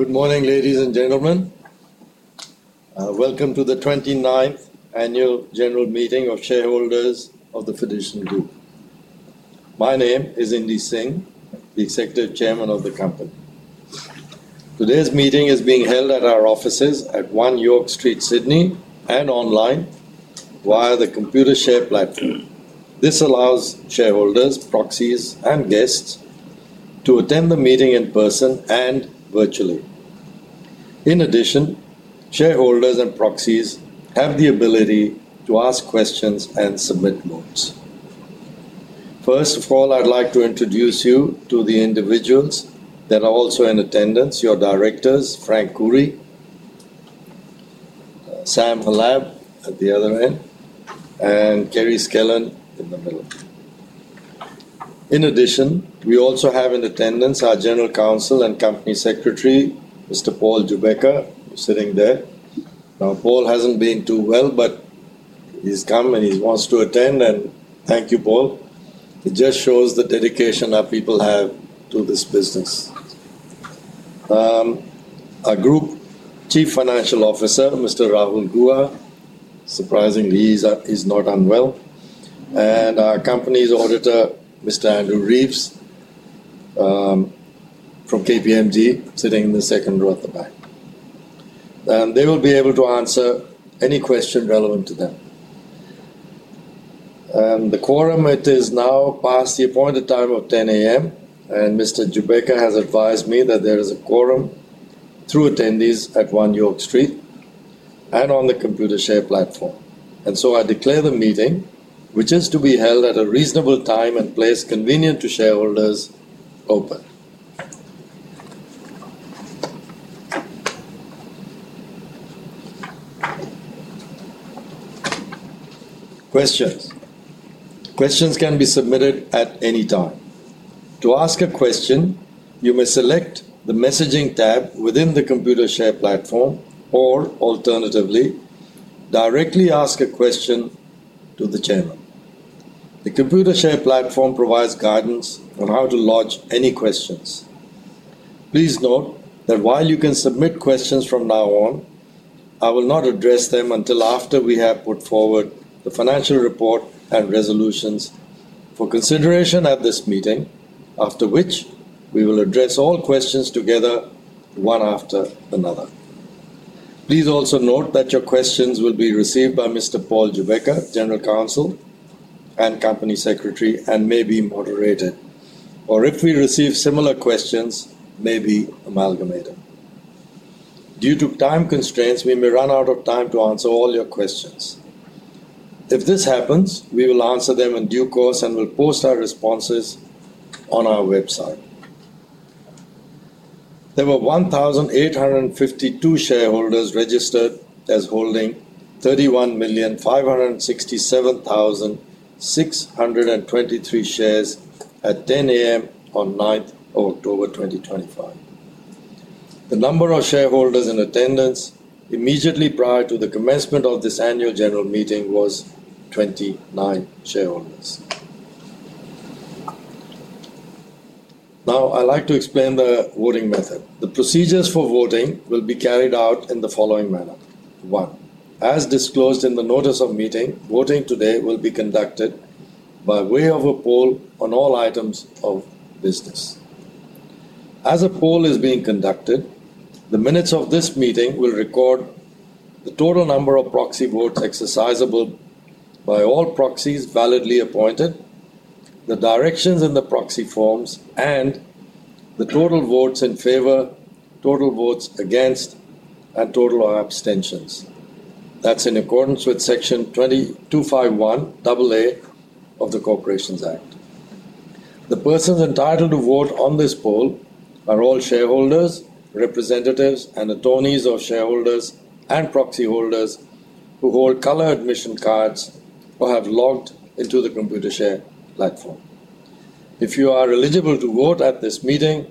Good morning, ladies and gentlemen. Welcome to Annual General Meeting of Shareholders of the Fiducian Group. My name is Indy Singh, the Executive Chairman of the company. Today's meeting is being held at our offices at 1 York Street, Sydney, and online via the computer-shared platform. This allows shareholders, proxies, and guests to attend the meeting in person and virtually. In addition, shareholders and proxies have the ability to ask questions and submit notes. First of all, I would like to introduce you to the individuals that are also in attendance: your Directors, Frank Khouri, Sam Hallab at the other end, and Kerry Skellern in the middle. In addition, we also have in attendance our General Counsel and Company Secretary, Mr. Paul Gubecka, sitting there. Now, Paul hasn't been too well, but he's come and he wants to attend, and thank you, Paul. It just shows the dedication our people have to this business. Our Group Chief Financial Officer, Mr. Rahul Guha, surprisingly, is not unwell, and our company's Auditor, Mr. Andrew Reeves from KPMG, sitting in the second row at the back. They will be able to answer any question relevant to them. The quorum is now past the appointed time of 10:00 A.M., and Mr. Gubecka has advised me that there is a quorum through attendees at 1 York Street and on the computer-shared platform. I declare the meeting, which is to be held at a reasonable time and place convenient to shareholders, open. Questions can be submitted at any time. To ask a question, you may select the messaging tab within the computer-shared platform or, alternatively, directly ask a question to the channel. The computer-shared platform provides guidance on how to lodge any questions. Please note that while you can submit questions from now on, I will not address them until after we have put forward the financial report and resolutions for consideration at this meeting, after which we will address all questions together, one after another. Please also note that your questions will be received by Mr. Paul Gubecka, General Counsel and company Secretary, and may be moderated, or if we receive similar questions, may be amalgamated. Due to time constraints, we may run out of time to answer all your questions. If this happens, we will answer them in due course and will post our responses on our website. There were 1,852 shareholders registered, holding 31,567,623 shares at 10:00 A.M. on 9 October 2025. The number of shareholders in attendance immediately prior to the commencement Annual General Meeting was 29 shareholders. Now, I would like to explain the voting method. The procedures for voting will be carried out in the following manner: 1. As disclosed in the notice of meeting, voting today will be conducted by way of a poll on all items of business. As a poll is being conducted, the minutes of this meeting will record the total number of proxy votes exercisable by all proxies validly appointed, the directions in the proxy forms, and the total votes in favor, total votes against, and total abstentions. That's in accordance with Section 251(a) of the Corporations Act. The persons entitled to vote on this poll are all shareholders, representatives, and attorneys of shareholders and proxy holders who hold color admission cards or have logged into the Computershare platform. If you are eligible to vote at this meeting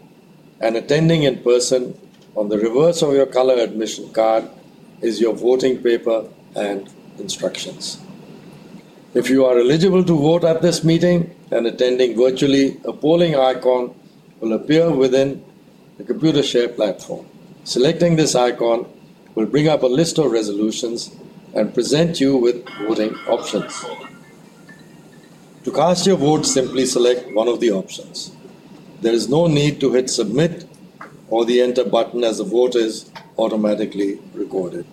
and attending in person, on the reverse of your color admission card is your voting paper and instructions. If you are eligible to vote at this meeting and attending virtually, a polling icon will appear within the Computershare platform. Selecting this icon will bring up a list of resolutions and present you with voting options. To cast your vote, simply select one of the options. There is no need to hit submit or the enter button as a vote is automatically recorded.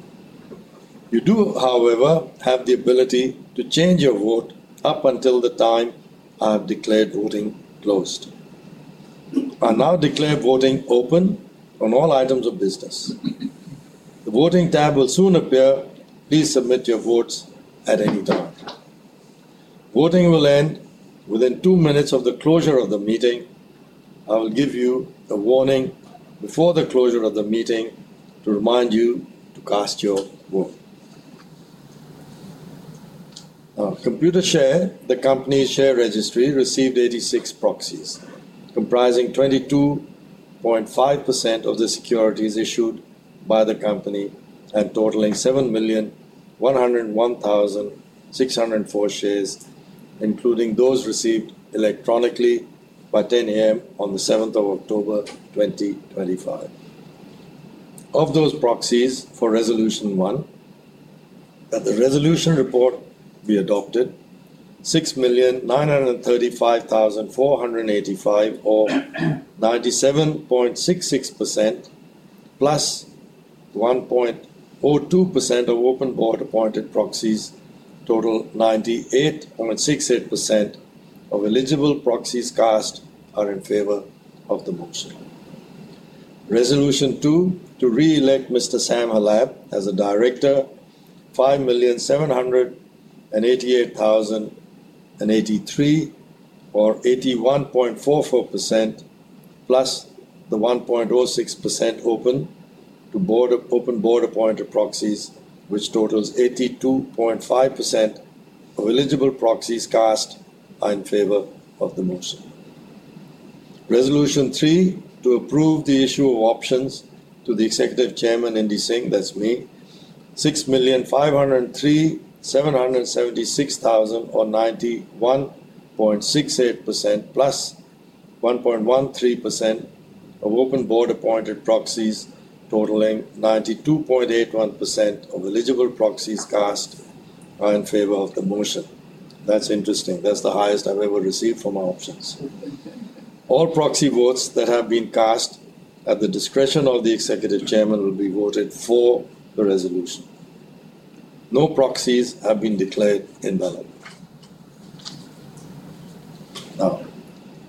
You do, however, have the ability to change your vote up until the time I have declared voting closed. I now declare voting open on all items of business. The voting tab will soon appear. Please submit your votes at any time. Voting will end within two minutes of the closure of the meeting. I will give you a warning before the closure of the meeting to remind you to cast your vote. Computershare, the company's share registry, received 86 proxies, comprising 22.5% of the securities issued by the company and totaling 7,101,604 shares, including those received electronically by 10:00 A.M. on 7 October 2025. Of those proxies for Resolution 1, at the resolution report we adopted, 6,935,485 or 97.66% + 1.02% of open board appointed proxies, total 98.68% of eligible proxies cast are in favor of the motion. Resolution 2 to re-elect Mr. Sam Hallab as a Director, 5,788,083 or 81.44% + 1.06% open to board open board appointed proxies, which totals 82.5% of eligible proxies cast are in favor of the motion. Resolution 3 to approve the issue of options to the Executive Chairman, Indy Singh, that's me, 6,503,776 or 91.68% + 1.13% of open board appointed proxies, totaling 92.81% of eligible proxies cast are in favor of the motion. That's interesting. That's the highest I've ever received from our options. All proxy votes that have been cast at the discretion of the Executive Chairman will be voted for the resolution. No proxies have been declared invalid.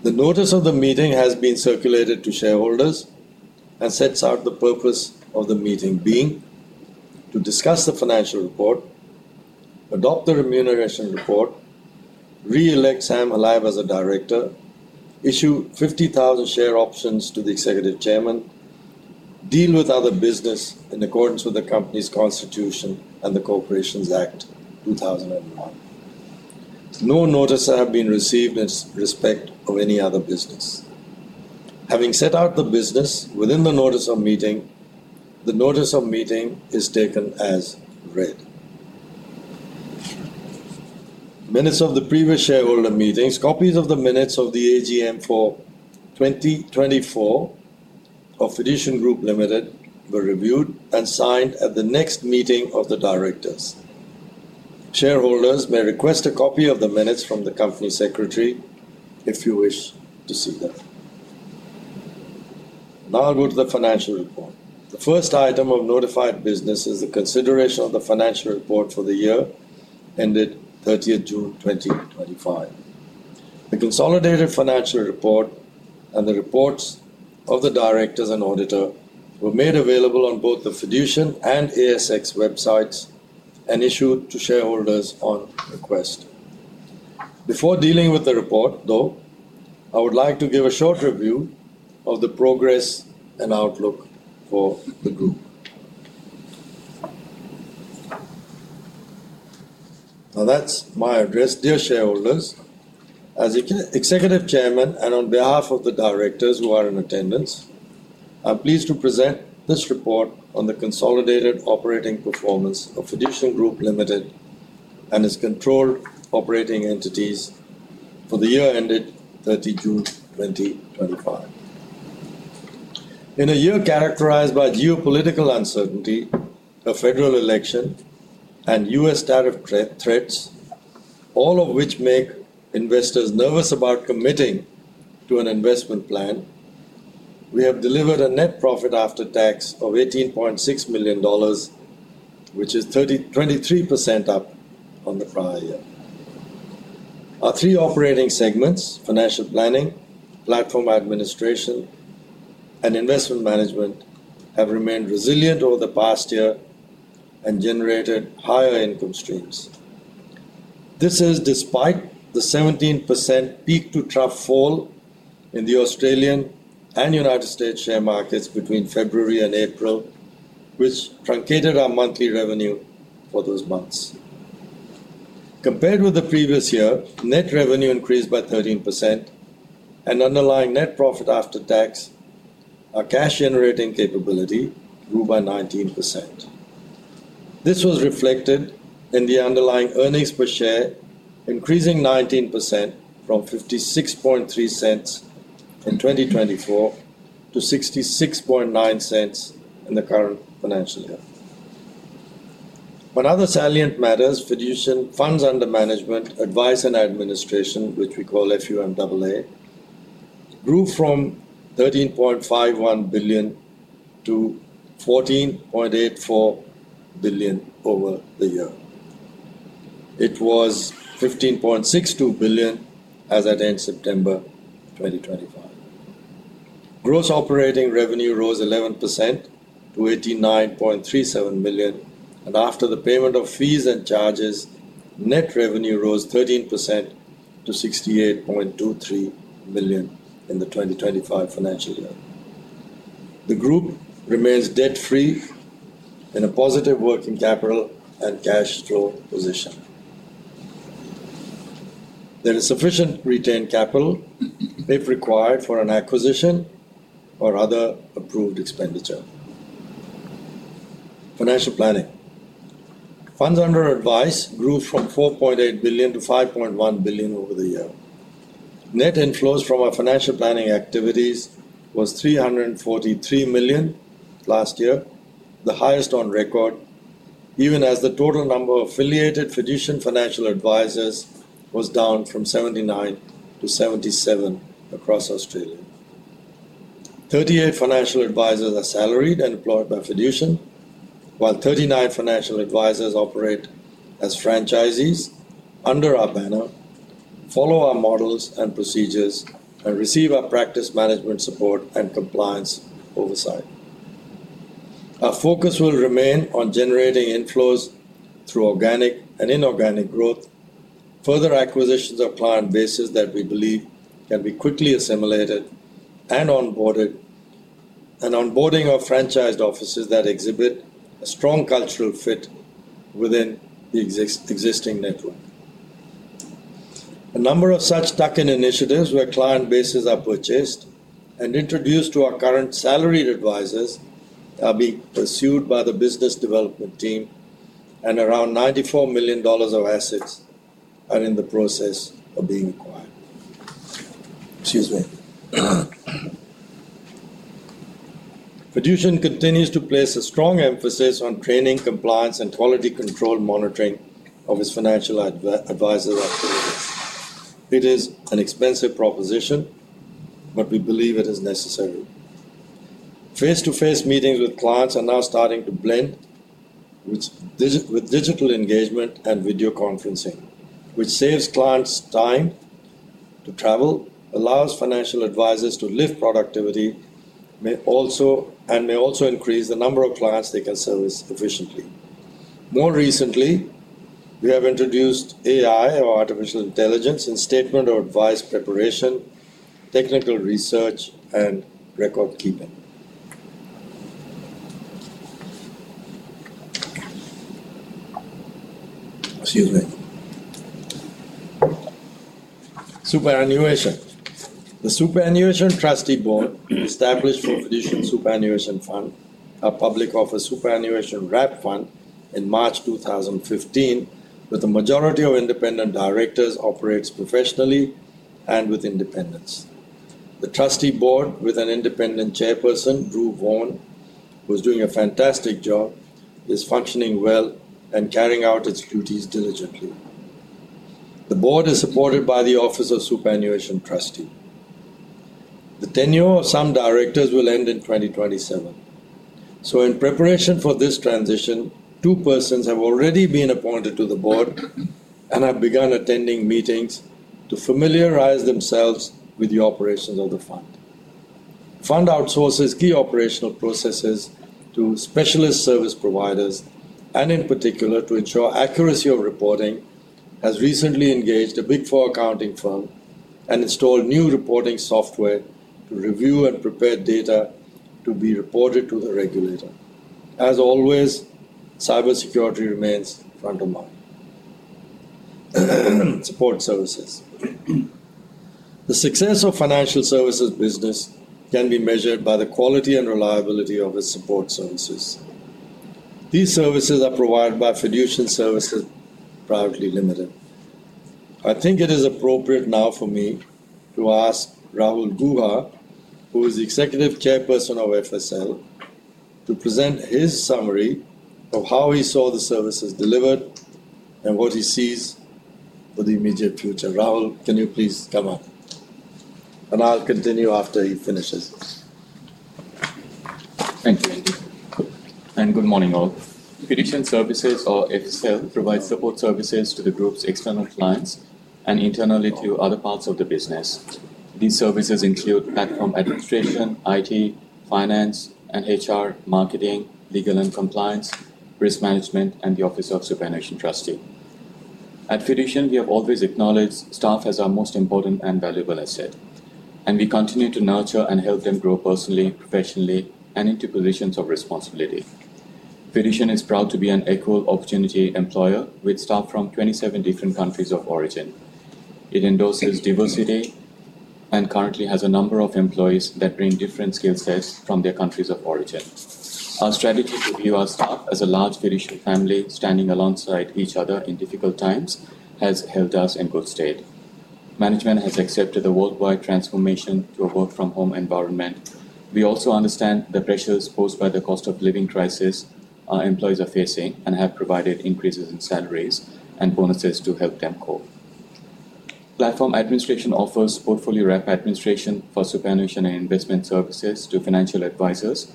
The notice of the meeting has been circulated to shareholders and sets out the purpose of the meeting being to discuss the financial report, adopt the remuneration report, re-elect Sam Hallab as a Director, issue 50,000 share options to the Executive Chairman, deal with other business in accordance with the company's Constitution and the Corporations Act, 2001. No notice has been received in respect of any other business. Having set out the business within the notice of meeting, the notice of meeting is taken as read. Minutes of the previous shareholder meetings, copies of the minutes of the AGM4 2024 of Fiducian Group Limited, were reviewed and signed at the next meeting of the Directors. Shareholders may request a copy of the minutes from the company Secretary if you wish to see them. Now I'll go to the financial report. The first item of notified business is the consideration of the financial report for the year ended 30 June 2025. The consolidated financial report and the reports of the Directors and Auditor were made available on both the Fiducian and ASX websites and issued to shareholders on request. Before dealing with the report, though, I would like to give a short review of the progress and outlook for the Group. Now, that's my address. Dear shareholders, as Executive Chairman and on behalf of the Directors who are in attendance, I'm pleased to present this report on the consolidated operating performance of Fiducian Group Ltd. and its controlled operating entities for the year ended 30 June 2025. In a year characterized by geopolitical uncertainty, a federal election, and U.S. data threats, all of which make investors nervous about committing to an investment plan, we have delivered a net profit after tax of 18.6 million dollars, which is 33% up from the prior year. Our three operating segments, financial planning, platform administration, and investment management, have remained resilient over the past year and generated higher income streams. This is despite the 17% peak-to-trough fall in the Australian and United States share markets between February and April, which truncated our monthly revenue for those months. Compared with the previous year, net revenue increased by 13% and underlying net profit after tax, our cash-generating capability, grew by 19%. This was reflected in the underlying earnings per share, increasing 19% from 0.5603 in 2024 to 0.6609 in the current financial year. On other salient matters, Fiducian funds under management, advice and administration, which we call FUMAA, grew from 13.51 billion to 14.84 billion over the year. It was 15.62 billion as at end September 2025. Gross operating revenue rose 11% to 89.37 million, and after the payment of fees and charges, net revenue rose 13% to 68.23 million in the 2025 financial year. The Group remains debt-free in a positive working capital and cash-flow position. There is sufficient retained capital if required for an acquisition or other approved expenditure. Financial planning. Funds under advice grew from 4.8 billion to 5.1 billion over the year. Net inflows from our financial planning activities were 343 million last year, the highest on record, even as the total number of affiliated Fiducian financial advisors was down from 79 to 77 across Australia. 38 financial advisors are salaried and employed by Fiducian, while 39 financial advisors operate as franchisees under our banner, follow our models and procedures, and receive our practice management support and compliance oversight. Our focus will remain on generating inflows through organic and inorganic growth, further acquisitions of client bases that we believe can be quickly assimilated and onboarded, and onboarding of franchised offices that exhibit a strong cultural fit within the existing network. A number of such tuck-in initiatives where client bases are purchased and introduced to our current salaried advisors are being pursued by the business development team, and around 94 million dollars of assets are in the process of being acquired. Excuse me. Fiducian continues to place a strong emphasis on training, compliance, and quality control monitoring of its financial advisors. It is an expensive proposition, but we believe it is necessary. Face-to-face meetings with clients are now starting to blend with digital engagement and video conferencing, which saves clients time to travel, allows financial advisors to lift productivity, and may also increase the number of clients they can service efficiently. More recently, we have introduced AI or artificial intelligence in statement or advice preparation, technical research, and record keeping. Superannuation. The Superannuation Trustee Board established the Fiducian Superannuation Fund, a public office superannuation wrap fund, in March 2015 with a majority of independent directors, operates professionally and with independence. The Trustee Board, with an independent Chairperson, Drew Vaughan, who is doing a fantastic job, is functioning well and carrying out its duties diligently. The Board is supported by the Office of Superannuation Trustee. The tenure of some directors will end in 2027. In preparation for this transition, two persons have already been appointed to the Board and have begun attending meetings to familiarise themselves with the operations of the Fund. The Fund outsources key operational processes to specialist service providers and, in particular, to ensure accuracy of reporting, has recently engaged a Big Four accounting firm and installed new reporting software to review and prepare data to be reported to the regulator. As always, cybersecurity remains front of mind. Support services. The success of financial services business can be measured by the quality and reliability of its support services. These services are provided by Fiducian Services Private Limited. I think it is appropriate now for me to ask Rahul Guha, who is the Executive Chairperson of FSL, to present his summary of how he saw the services delivered and what he sees for the immediate future. Rahul, can you please come up? I'll continue after he finishes this. Thank you, Indy, and good morning, all. Fiducian Services or FSL provides support services to the Group's external clients and internally to other parts of the business. These services include platform administration, IT, finance and HR, marketing, legal and compliance, risk management, and the Office of Superannuation Trustee. At Fiducian, we have always acknowledged staff as our most important and valuable asset, and we continue to nurture and help them grow personally, professionally, and into positions of responsibility. Fiducian is proud to be an equal opportunity employer with staff from 27 different countries of origin. It endorses diversity and currently has a number of employees that bring different skill sets from their countries of origin. Our strategy to view our staff as a large Fiducian family standing alongside each other in difficult times has held us in good shape. Management has accepted the worldwide transformation to a work-from-home environment. We also understand the pressures posed by the cost of living crisis our employees are facing and have provided increases in salaries and bonuses to help them cope. Platform administration offers portfolio wrap administration for superannuation and investment services to financial advisors,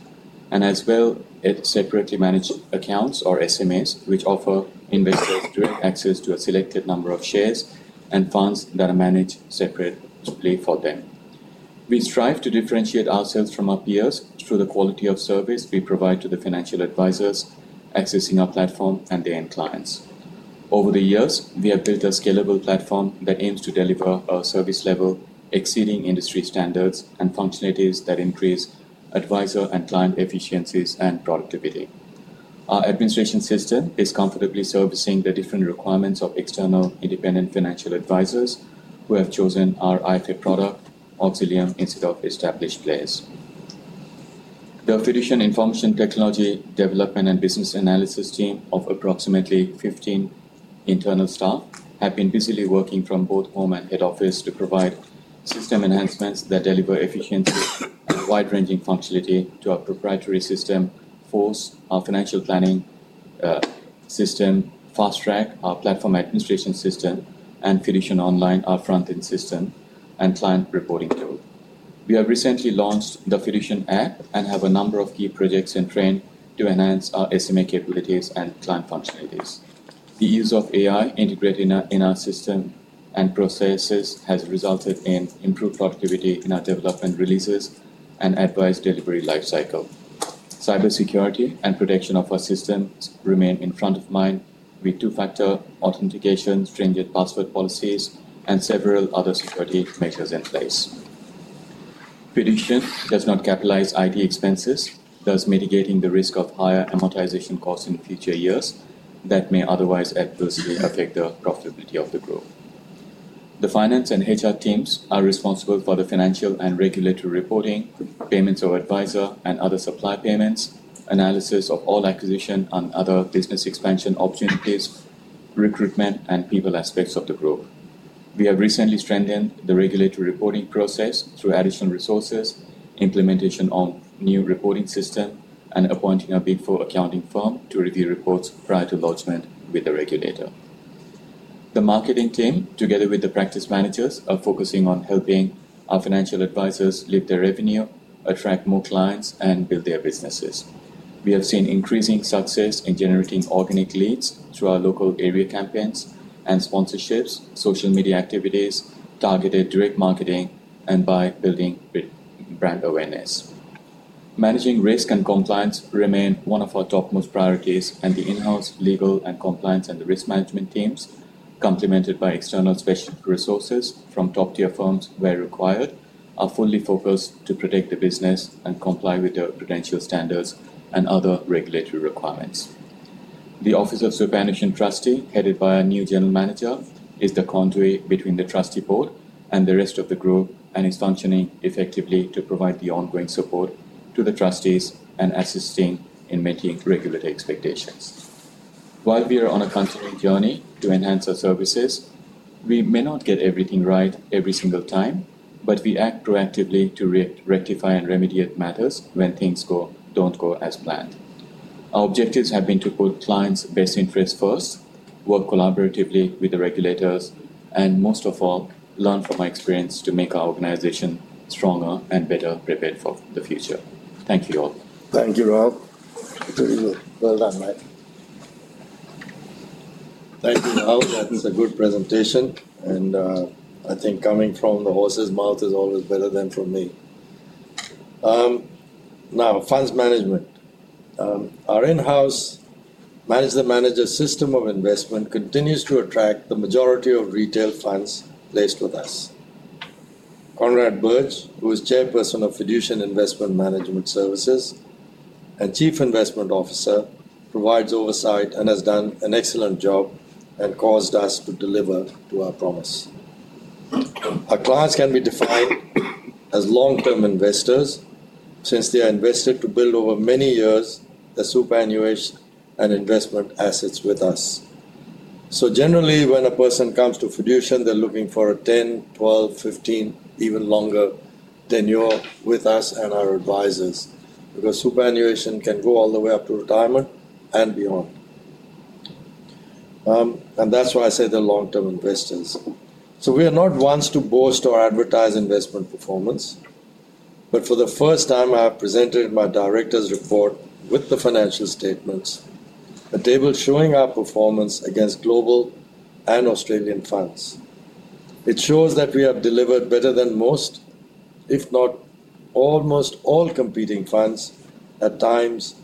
and as well, it separately manages accounts or SMAs, which offer investors access to a selected number of shares and funds that are managed separately for them. We strive to differentiate ourselves from our peers through the quality of service we provide to the financial advisors accessing our platform and their end clients. Over the years, we have built a scalable platform that aims to deliver a service level exceeding industry standards and functionalities that increase advisor and client efficiencies and productivity. Our administration system is comfortably servicing the different requirements of external independent financial advisors who have chosen our IFIT product auxiliary instead of established players. The Fiducian Information Technology Development and Business Analysis team of approximately 15 internal staff have been busily working from both home and head office to provide system enhancements that deliver efficiency and wide-ranging functionality to our proprietary system, FOWS, our financial planning system, FasTrack, our platform administration system, and Fiducian Online, our front-end system and client reporting tool. We have recently launched the Fiducian app and have a number of key projects in training to enhance our SMA capabilities and client functionalities. The use of AI integrated in our system and processes has resulted in improved productivity in our development releases and advice delivery lifecycle. Cybersecurity and protection of our systems remain in front of mind with two-factor authentication, stringent password policies, and several other security measures in place. Fiducian does not capitalize IT expenses, thus mitigating the risk of higher amortization costs in future years that may otherwise adversely affect the profitability of the Group. The Finance and HR teams are responsible for the financial and regulatory reporting, payments of advisor and other supply payments, analysis of all acquisition and other business expansion opportunities, recruitment, and people aspects of the Group. We have recently strengthened the regulatory reporting process through additional resources, implementation of new reporting systems, and appointing a Big Four accounting firm to review reports prior to lodgment with the regulator. The Marketing team, together with the Practice Managers, are focusing on helping our financial advisors lift their revenue, attract more clients, and build their businesses. We have seen increasing success in generating organic leads through our local area campaigns, sponsorships, social media activities, targeted direct marketing, and by building brand awareness. Managing risk and compliance remains one of our topmost priorities, and the in-house Legal and Compliance and the Risk Management teams, complemented by external special resources from top-tier firms where required, are fully focused to protect the business and comply with the credential standards and other regulatory requirements. The Office of Superannuation Trustee, headed by our new General Manager, is the conduit between the Trustee Board and the rest of the Group and is functioning effectively to provide the ongoing support to the trustees and assisting in meeting regulatory expectations. While we are on a constant journey to enhance our services, we may not get everything right every single time, but we act proactively to rectify and remediate matters when things don't go as planned. Our objectives have been to put clients' best interests first, work collaboratively with the regulators, and most of all, learn from our experience to make our organization stronger and better prepared for the future. Thank you all. Thank you, Rahul. Done, mate. Thank you, Rahul. That's a good presentation, and I think coming from the horse's mouth is always better than from me. Now, funds management. Our in-house manager-manager system of investment continues to attract the majority of retail funds placed with us. Conrad Burge, who is Chairperson of Fiducian Investment Management Services and Chief Investment Officer, provides oversight and has done an excellent job and caused us to deliver to our promise. Our clients can be defined as long-term investors since they are invested to build over many years the Superannuation and Investment assets with us. Generally, when a person comes to Fiducian, they're looking for a 10, 12, 15, even longer tenure with us and our advisors because superannuation can go all the way up to retirement and beyond. That's why I say they're long-term investors. We are not ones to boast or advertise investment performance, but for the first time, I have presented my Directors Report with the financial statements, a table showing our performance against global and Australian funds. It shows that we have delivered better than most, if not almost all, competing funds at times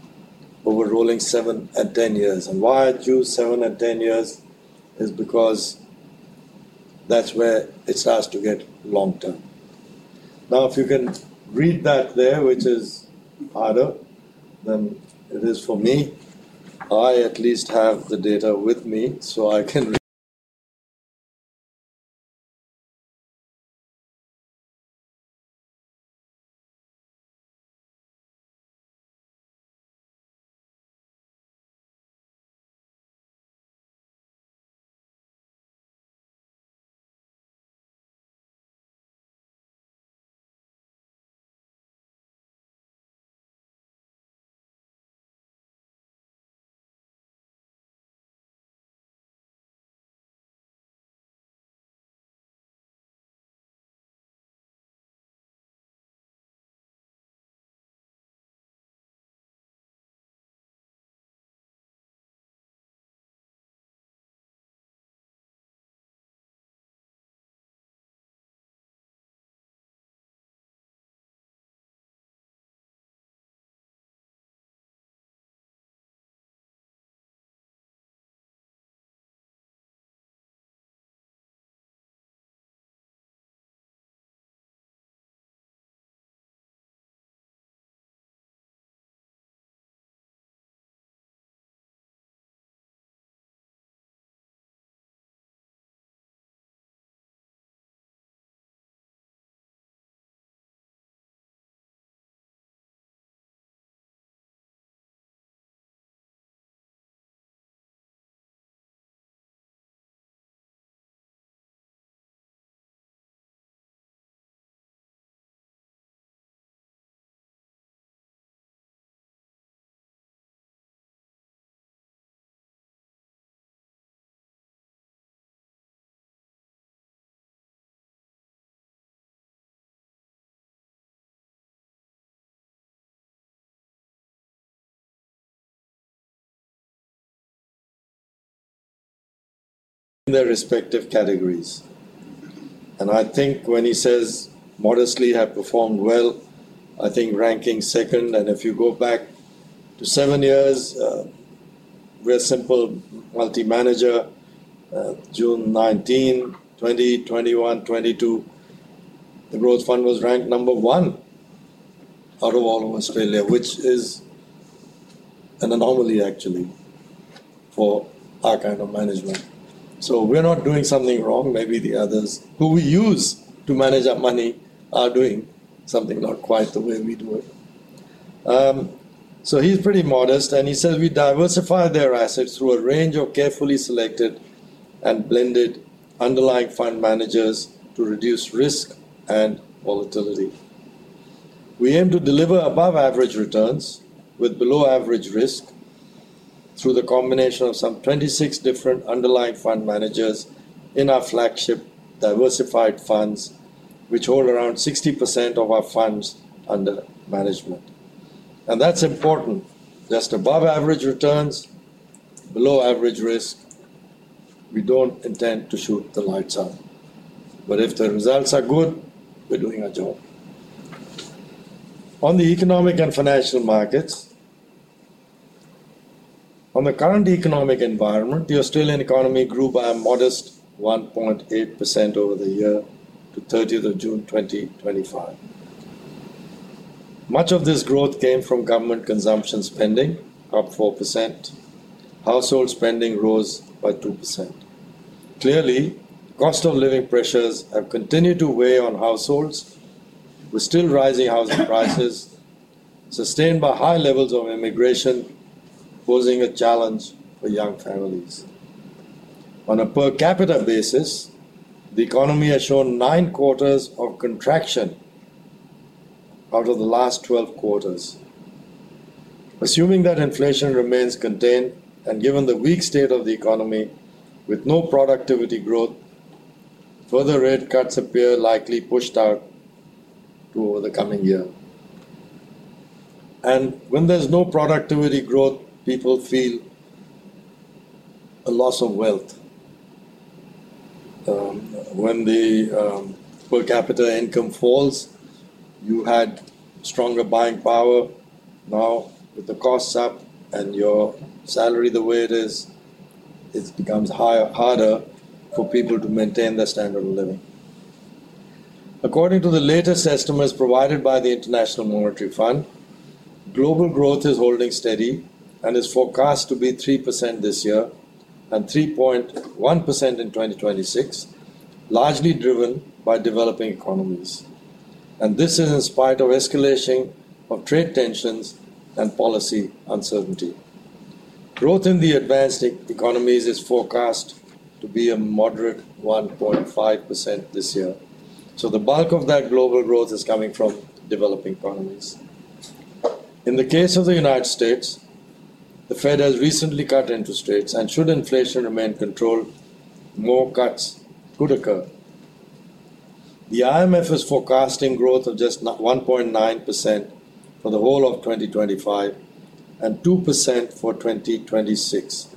over rolling seven and ten years. I choose seven and ten years because that's where it starts to get long-term. If you can read that there, which is harder than it is for me, I at least have the data with me. In their respective categories, I think when he says modestly have performed well, I think ranking second, and if you go back to seven years, we're a simple multi-manager. June 19, 2021, 2022, the Growth Fund was ranked number one out of all of Australia, which is an anomaly actually for our kind of management. We're not doing something wrong. Maybe the others who we use to manage our money are doing something not quite the way we do it. He's pretty modest, and he says we diversify their assets through a range of carefully selected and blended underlying fund managers to reduce risk and volatility. We aim to deliver above-average returns with below-average risk through the combination of some 26 different underlying fund managers in our flagship diversified funds, which hold around 60% of our funds under management. That's important. Just above-average returns, below-average risk, we don't intend to shoot the lights out. If the results are good, we're doing our job. On the economic and financial markets. On the current economic environment, the Australian economy grew by a modest 1.8% over the year to 30 June 2025. Much of this growth came from government consumption spending up 4%. Household spending rose by 2%. Clearly, cost of living pressures have continued to weigh on households with still rising housing prices sustained by high levels of immigration posing a challenge for young families. On a per capita basis, the economy has shown nine quarters of contraction out of the last 12 quarters. Assuming that inflation remains contained and given the weak state of the economy with no productivity growth, further rate cuts appear likely pushed out over the coming year. When there's no productivity growth, people feel a loss of wealth. When the per capita income falls, you had stronger buying power. Now, with the costs up and your salary the way it is, it becomes harder for people to maintain their standard of living. According to the latest estimates provided by the International Monetary Fund, global growth is holding steady and is forecast to be 3% this year and 3.1% in 2026, largely driven by developing economies. This is in spite of escalation of trade tensions and policy uncertainty. Growth in the advanced economies is forecast to be a moderate 1.5% this year. The bulk of that global growth is coming from developing economies. In the case of the United States, the Fed has recently cut interest rates, and should inflation remain controlled, more cuts could occur. The IMF is forecasting growth of just 1.9% for the whole of 2025 and 2% for 2026,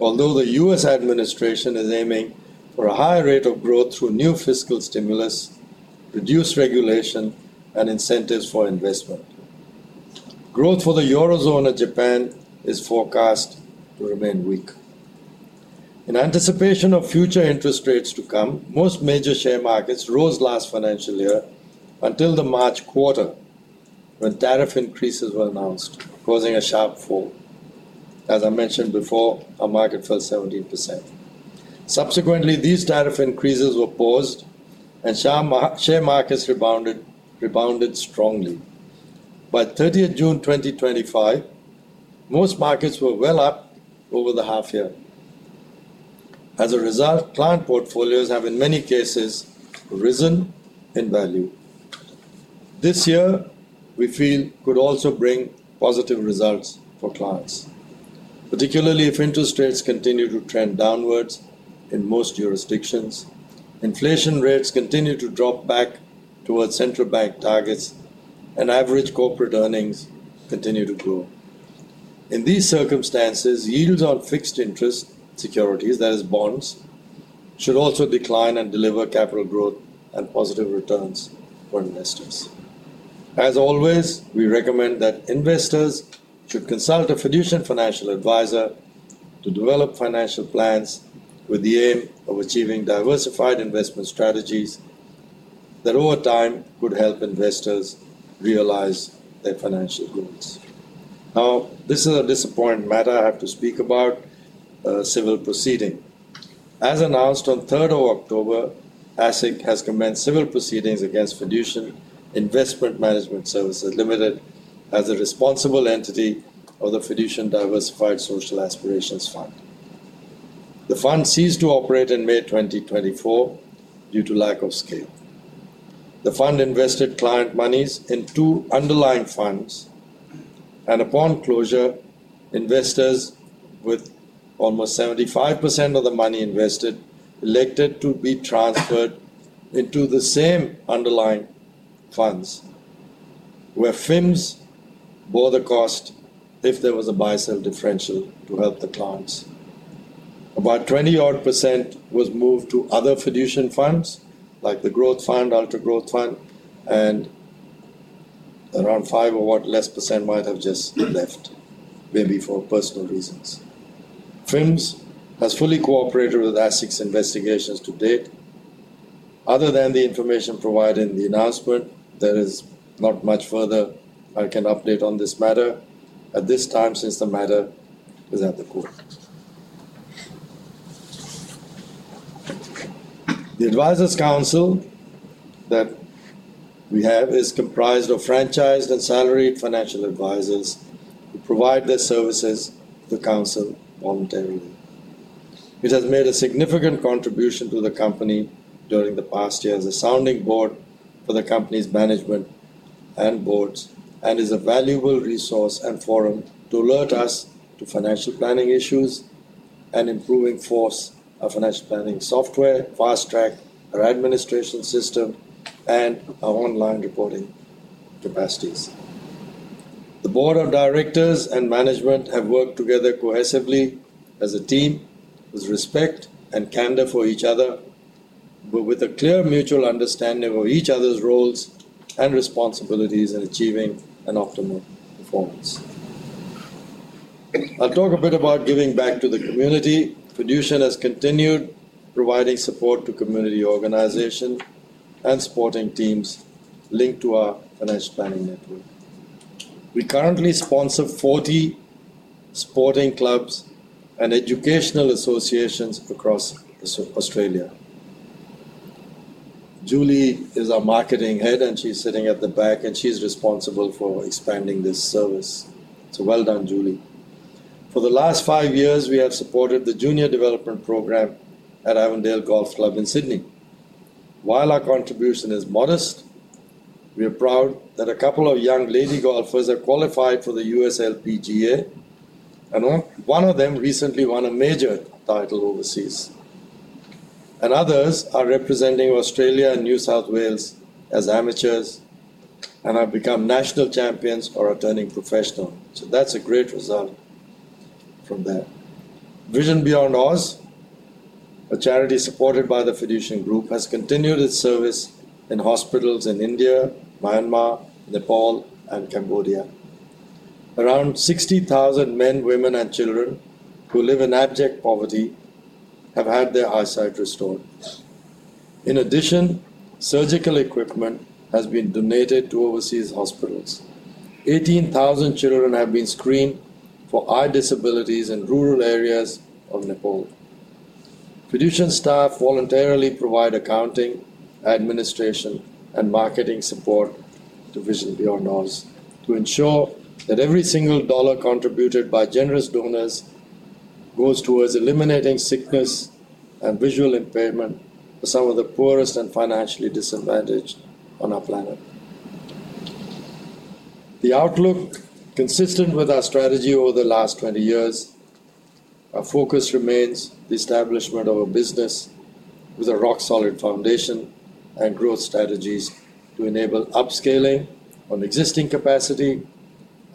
although the U.S. administration is aiming for a higher rate of growth through new fiscal stimulus, reduced regulation, and incentives for investment. Growth for the Eurozone and Japan is forecast to remain weak. In anticipation of future interest rates to come, most major share markets rose last financial year until the March quarter when tariff increases were announced, causing a sharp fall. As I mentioned before, our market fell 17%. Subsequently, these tariff increases were paused, and share markets rebounded strongly. By 30 June 2025, most markets were well up over the half year. As a result, client portfolios have in many cases risen in value. This year, we feel could also bring positive results for clients, particularly if interest rates continue to trend downwards in most jurisdictions, inflation rates continue to drop back towards central bank targets, and average corporate earnings continue to grow. In these circumstances, yields on fixed interest securities, that is, bonds, should also decline and deliver capital growth and positive returns for investors. As always, we recommend that investors should consult a Fiducian financial advisor to develop financial plans with the aim of achieving diversified investment strategies that over time could help investors realize their financial goals. Now, this is a disappointing matter I have to speak about, a civil proceeding. As announced on 3rd of October, ASIC has commenced civil proceedings against Fiducian Investment Management Services Limited as a responsible entity of the Fiducian Diversified Social Aspirations Fund. The fund ceased to operate in May 2024 due to lack of scale. The fund invested client monies in two underlying funds, and upon closure, investors with almost 75% of the money invested elected to be transferred into the same underlying funds where FIMs bore the cost if there was a buy-sell differential to help the clients. About 20% was moved to other Fiducian funds like the Growth Fund, Ultra Growth Fund, and around 5% or what less percent might have just been left maybe for personal reasons. FIMs has fully cooperated with ASIC's investigations to date. Other than the information provided in the announcement, there is not much further I can update on this matter at this time since the matter is at the court. The Advisors Council that we have is comprised of franchised and salaried financial advisors who provide their services to counsel voluntarily. It has made a significant contribution to the company during the past year as a sounding board for the company's management and boards and is a valuable resource and forum to alert us to financial planning issues and improving force of financial planning software, FasTrack, our administration system, and our online reporting capacities. The Board of Directors and Management have worked together cohesively as a team with respect and candor for each other, but with a clear mutual understanding of each other's roles and responsibilities in achieving an optimal performance. I'll talk a bit about giving back to the community. Fiducian has continued providing support to community organizations and sporting teams linked to our financial planning network. We currently sponsor 40 sporting clubs and educational associations across Australia. Julie is our Marketing Head, and she's sitting at the back, and she's responsible for expanding this service. Well done, Julie. For the last five years, we have supported the Junior Development Program at Avondale Golf Club in Sydney. While our contribution is modest, we are proud that a couple of young lady golfers have qualified for the USL PGA, and one of them recently won a major title overseas. Others are representing Australia and New South Wales as amateurs and have become national champions or are turning professionals. That's a great result from that. Vision Beyond Ours, a charity supported by Fiducian Group, has continued its service in hospitals in India, Myanmar, Nepal, and Cambodia. Around 60,000 men, women, and children who live in abject poverty have had their eyesight restored. In addition, surgical equipment has been donated to overseas hospitals. 18,000 children have been screened for eye disabilities in rural areas of Nepal. Fiducian staff voluntarily provide accounting, administration, and marketing support to Vision Beyond Ours to ensure that every single dollar contributed by generous donors goes towards eliminating sickness and visual impairment for some of the poorest and financially disadvantaged on our planet. The outlook is consistent with our strategy over the last 20 years. Our focus remains the establishment of a business with a rock-solid foundation and growth strategies to enable upscaling on existing capacity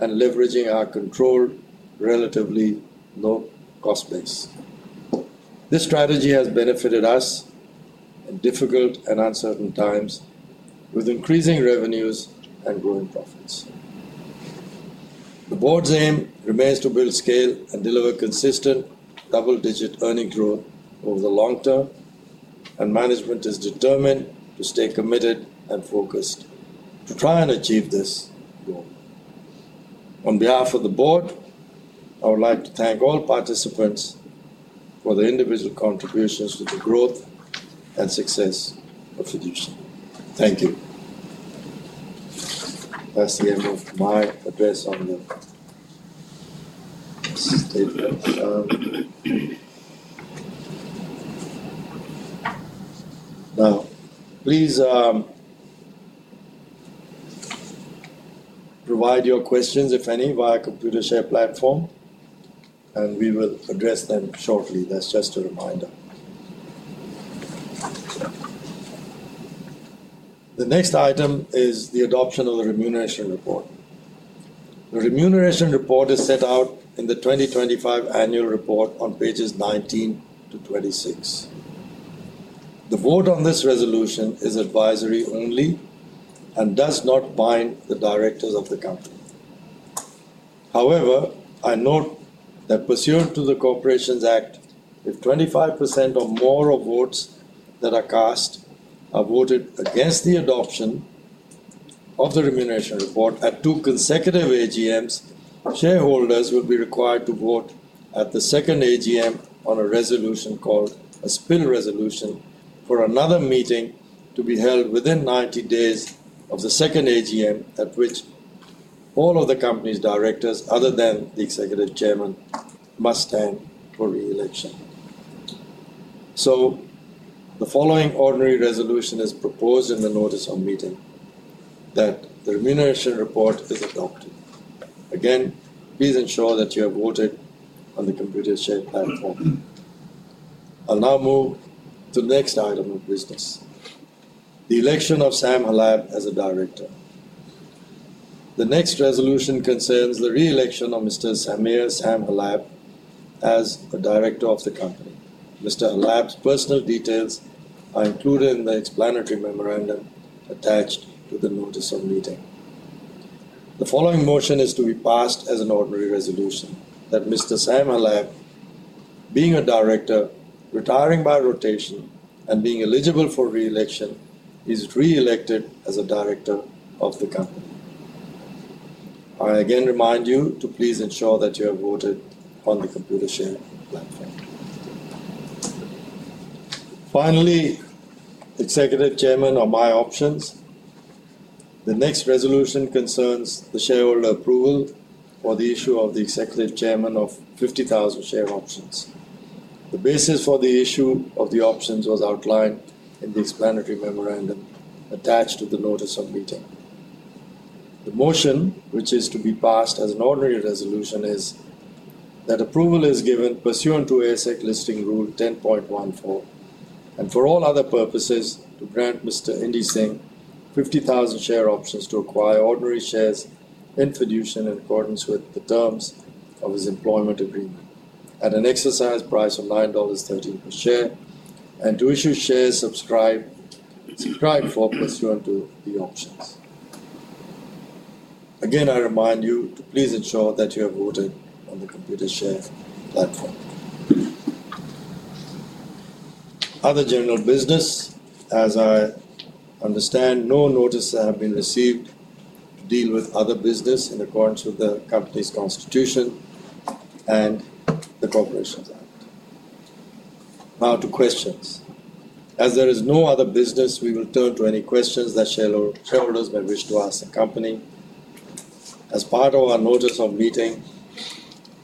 and leveraging our controlled, relatively low-cost base. This strategy has benefited us in difficult and uncertain times with increasing revenues and growing profits. The Board's aim remains to build scale and deliver consistent double-digit earnings growth over the long term, and management is determined to stay committed and focused to try and achieve this goal. On behalf of the Board, I would like to thank all participants for their individual contributions to the growth and success of Fiducian. Thank you. I see I moved to my address on the... This is the table. Now, please provide your questions, if any, via computer-shared platform, and we will address them shortly. That's just a reminder. The next item is the adoption of the remuneration report. The remuneration report is set out in the 2025 annual report on pages 19-26. The vote on this resolution is advisory only and does not bind the Directors of the company. However, I note that pursuant to the Corporations Act, if 25% or more of votes that are cast are voted against the adoption of the remuneration report at two consecutive AGMs, shareholders will be required to vote at the second AGM on a resolution called a spill resolution for another meeting to be held within 90 days of the second AGM at which all of the company's Directors, other than the Executive Chairman, must stand for re-election. The following ordinary resolution is proposed in the notice on meeting that the remuneration report is adopted. Again, please ensure that you have voted on the computer-shared platform. I'll now move to the next item of business, the election of Sam Hallab as a Director. The next resolution concerns the re-election of Mr. Samir Sam Hallab as the Director of the company. Mr. Hallab's personal details are included in the explanatory memorandum attached to the notice on meeting. The following motion is to be passed as an ordinary resolution that Mr. Sam Hallab, being a Director, retiring by rotation and being eligible for re-election, is re-elected as a Director of the company. I again remind you to please ensure that you have voted on the computer-shared platform. Finally, Executive Chairman of my options. The next resolution concerns the shareholder approval for the issue of the Executive Chairman of 50,000 share options. The basis for the issue of the options was outlined in the explanatory memorandum attached to the notice on meeting. The motion, which is to be passed as an ordinary resolution, is that approval is given pursuant to ASIC Listing Rule 10.14 and for all other purposes to grant Mr. Indy Singh 50,000 share options to acquire ordinary shares in Fiducian in accordance with the terms of his employment agreement at an exercise price of 9.30 dollars per share and to issue shares subscribed for pursuant to the options. Again, I remind you to please ensure that you have voted on the computer-shared platform. Other general business, as I understand, no notices have been received to deal with other business in accordance with the company's Constitution and the Corporations Act. Now, to questions. As there is no other business, we will turn to any questions that shareholders may wish to ask the company. As part of our notice on meeting,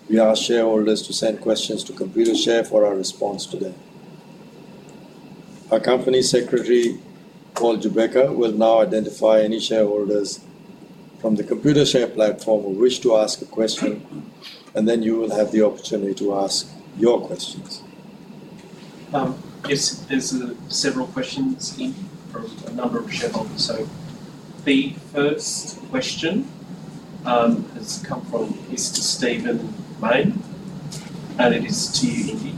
we ask shareholders to send questions to Computershare for our response today. Our company Secretary, Paul Gubecka, will now identify any shareholders from the Computershare platform who wish to ask a question, and then you will have the opportunity to ask your questions. Yes, there's several questions in from a number of shareholders. The first question has come from Mr. Steven Vine, and it is to you, Indy.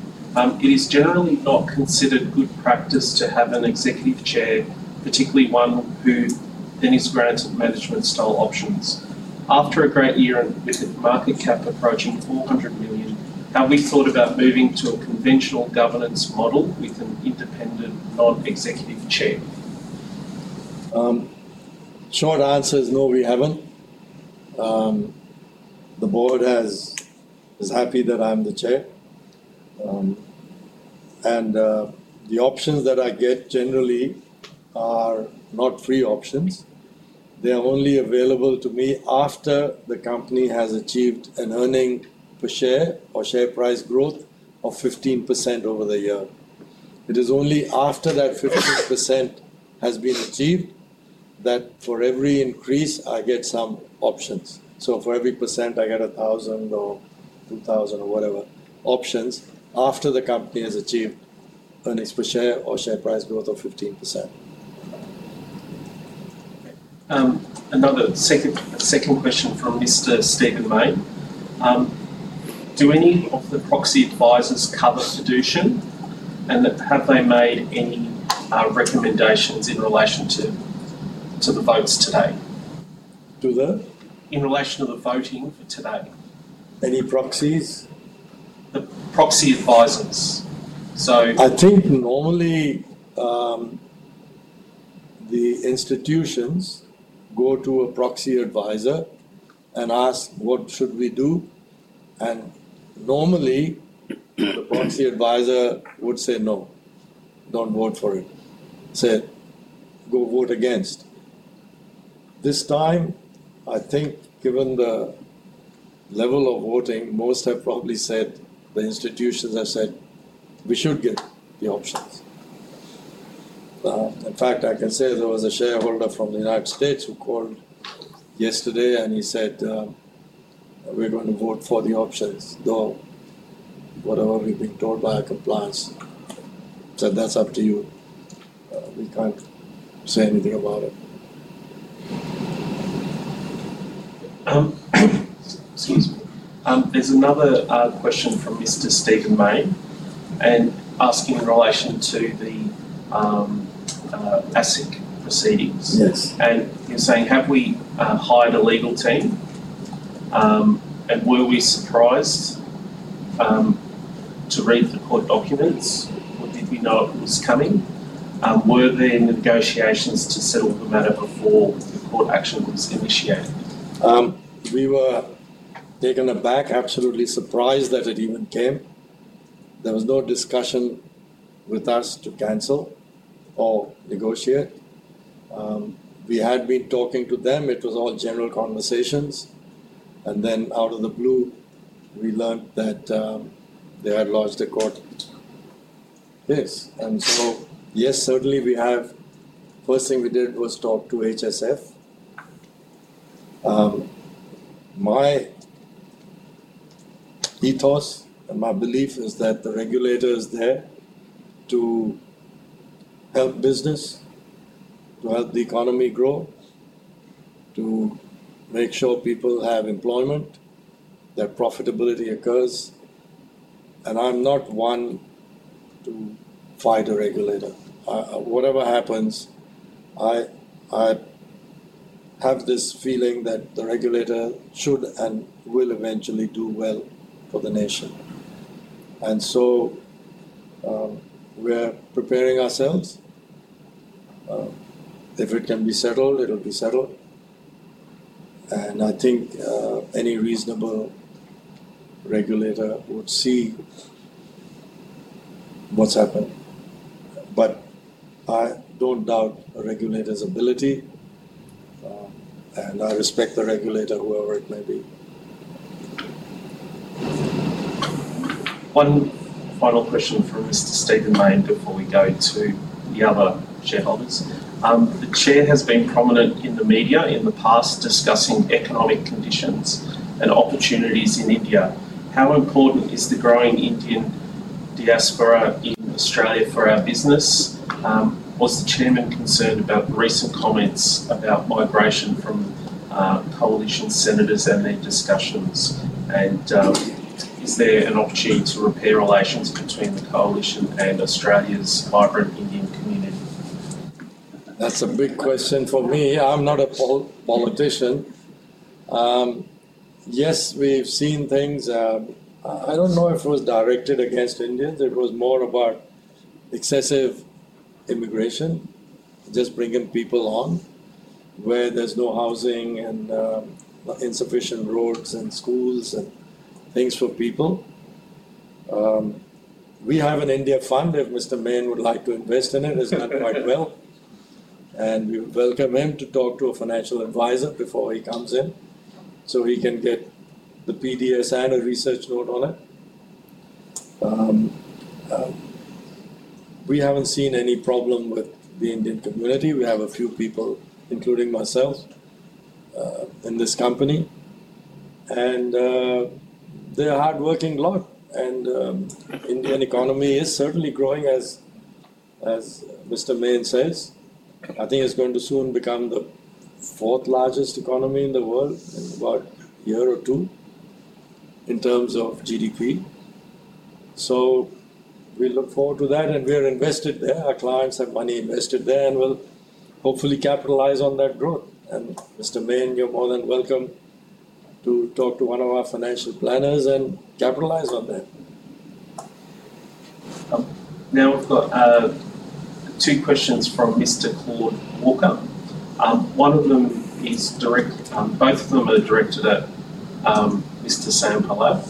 It is generally not considered good practice to have an Executive Chair, particularly one who then is granted management style options. After a great year with its market cap approaching 400 million, have we thought about moving to a conventional governance model with an independent non-Executive Chair? Short answer is no, we haven't. The Board is happy that I'm the Chair, and the options that I get generally are not free options. They are only available to me after the company has achieved an earnings per share or share price growth of 15% over the year. It is only after that 15% has been achieved that for every increase I get some options. For every percent, I get 1,000 or 2,000 or whatever options after the company has achieved an earnings per share or share price growth of 15%. Another sectoral question from Mr. Steven Vine. Do any of the proxy advisors cover Fiducian, and have they made any recommendations in relation to the votes today? Do they? In relation to the voting for today. Any proxies? Proxy advisors. I think normally the institutions go to a proxy advisor and ask what should we do, and normally the proxy advisor would say no, don't vote for it, say go vote against. This time, I think given the level of voting, most have probably said the institutions have said we should get the options. In fact, I can say there was a shareholder from the United States who called yesterday and he said we're going to vote for the options, though whatever we've been told by our compliance said that's up to you. We can't say anything about it. There's another question from Mr. Steven Vine, asking in relation to the ASIC proceedings. Yes. He's saying have we hired a legal team, and were we surprised to read the court documents? Did you know it was coming? Were there negotiations to settle the matter before the court action was initiated? We were taken aback, absolutely surprised that it even came. There was no discussion with us to cancel or negotiate. We had been talking to them. It was all general conversations, and then out of the blue, we learned that they had lodged a court. Yes, certainly we have. First thing we did was talk to HSF. My ethos and my belief is that the regulator is there to help business, to help the economy grow, to make sure people have employment, their profitability occurs, and I'm not one to fight a regulator. Whatever happens, I have this feeling that the regulator should and will eventually do well for the nation. We are preparing ourselves. If it can be settled, it'll be settled, and I think any reasonable regulator would see what's happened. I don't doubt a regulator's ability, and I respect the regulator, whoever it may be. One final question for Mr. Steven Vine before we go to the other shareholders. The Chair has been prominent in the media in the past discussing economic conditions and opportunities in India. How important is the growing Indian diaspora in Australia for our business? Was the Chairman concerned about recent comments about migration from coalition senators and their discussions? Is there an opportunity to repair relations between the coalition and Australia's migrant Indian community? That's a big question for me. I'm not a politician. Yes, we've seen things. I don't know if it was directed against Indians. It was more about excessive immigration, just bringing people on where there's no housing, insufficient roads, and schools and things for people. We have an India Fund. If Mr. Main would like to invest in it, it's done quite well, and we welcome him to talk to a financial advisor before he comes in so he can get the PDS and a research note on it. We haven't seen any problem with the Indian community. We have a few people, including myself, in this company, and they're hardworking a lot. The Indian economy is certainly growing, as Mr. Main says. I think it's going to soon become the fourth largest economy in the world in about a year or two in terms of GDP. We look forward to that, and we are invested there. Our clients have money invested there, and we'll hopefully capitalize on that growth. Mr. Main, you're more than welcome to talk to one of our financial planners and capitalize on that. Now, we've got two questions from Mr. Claude Walker. One of them is directed, both of them are directed at Mr. Sam Hallab.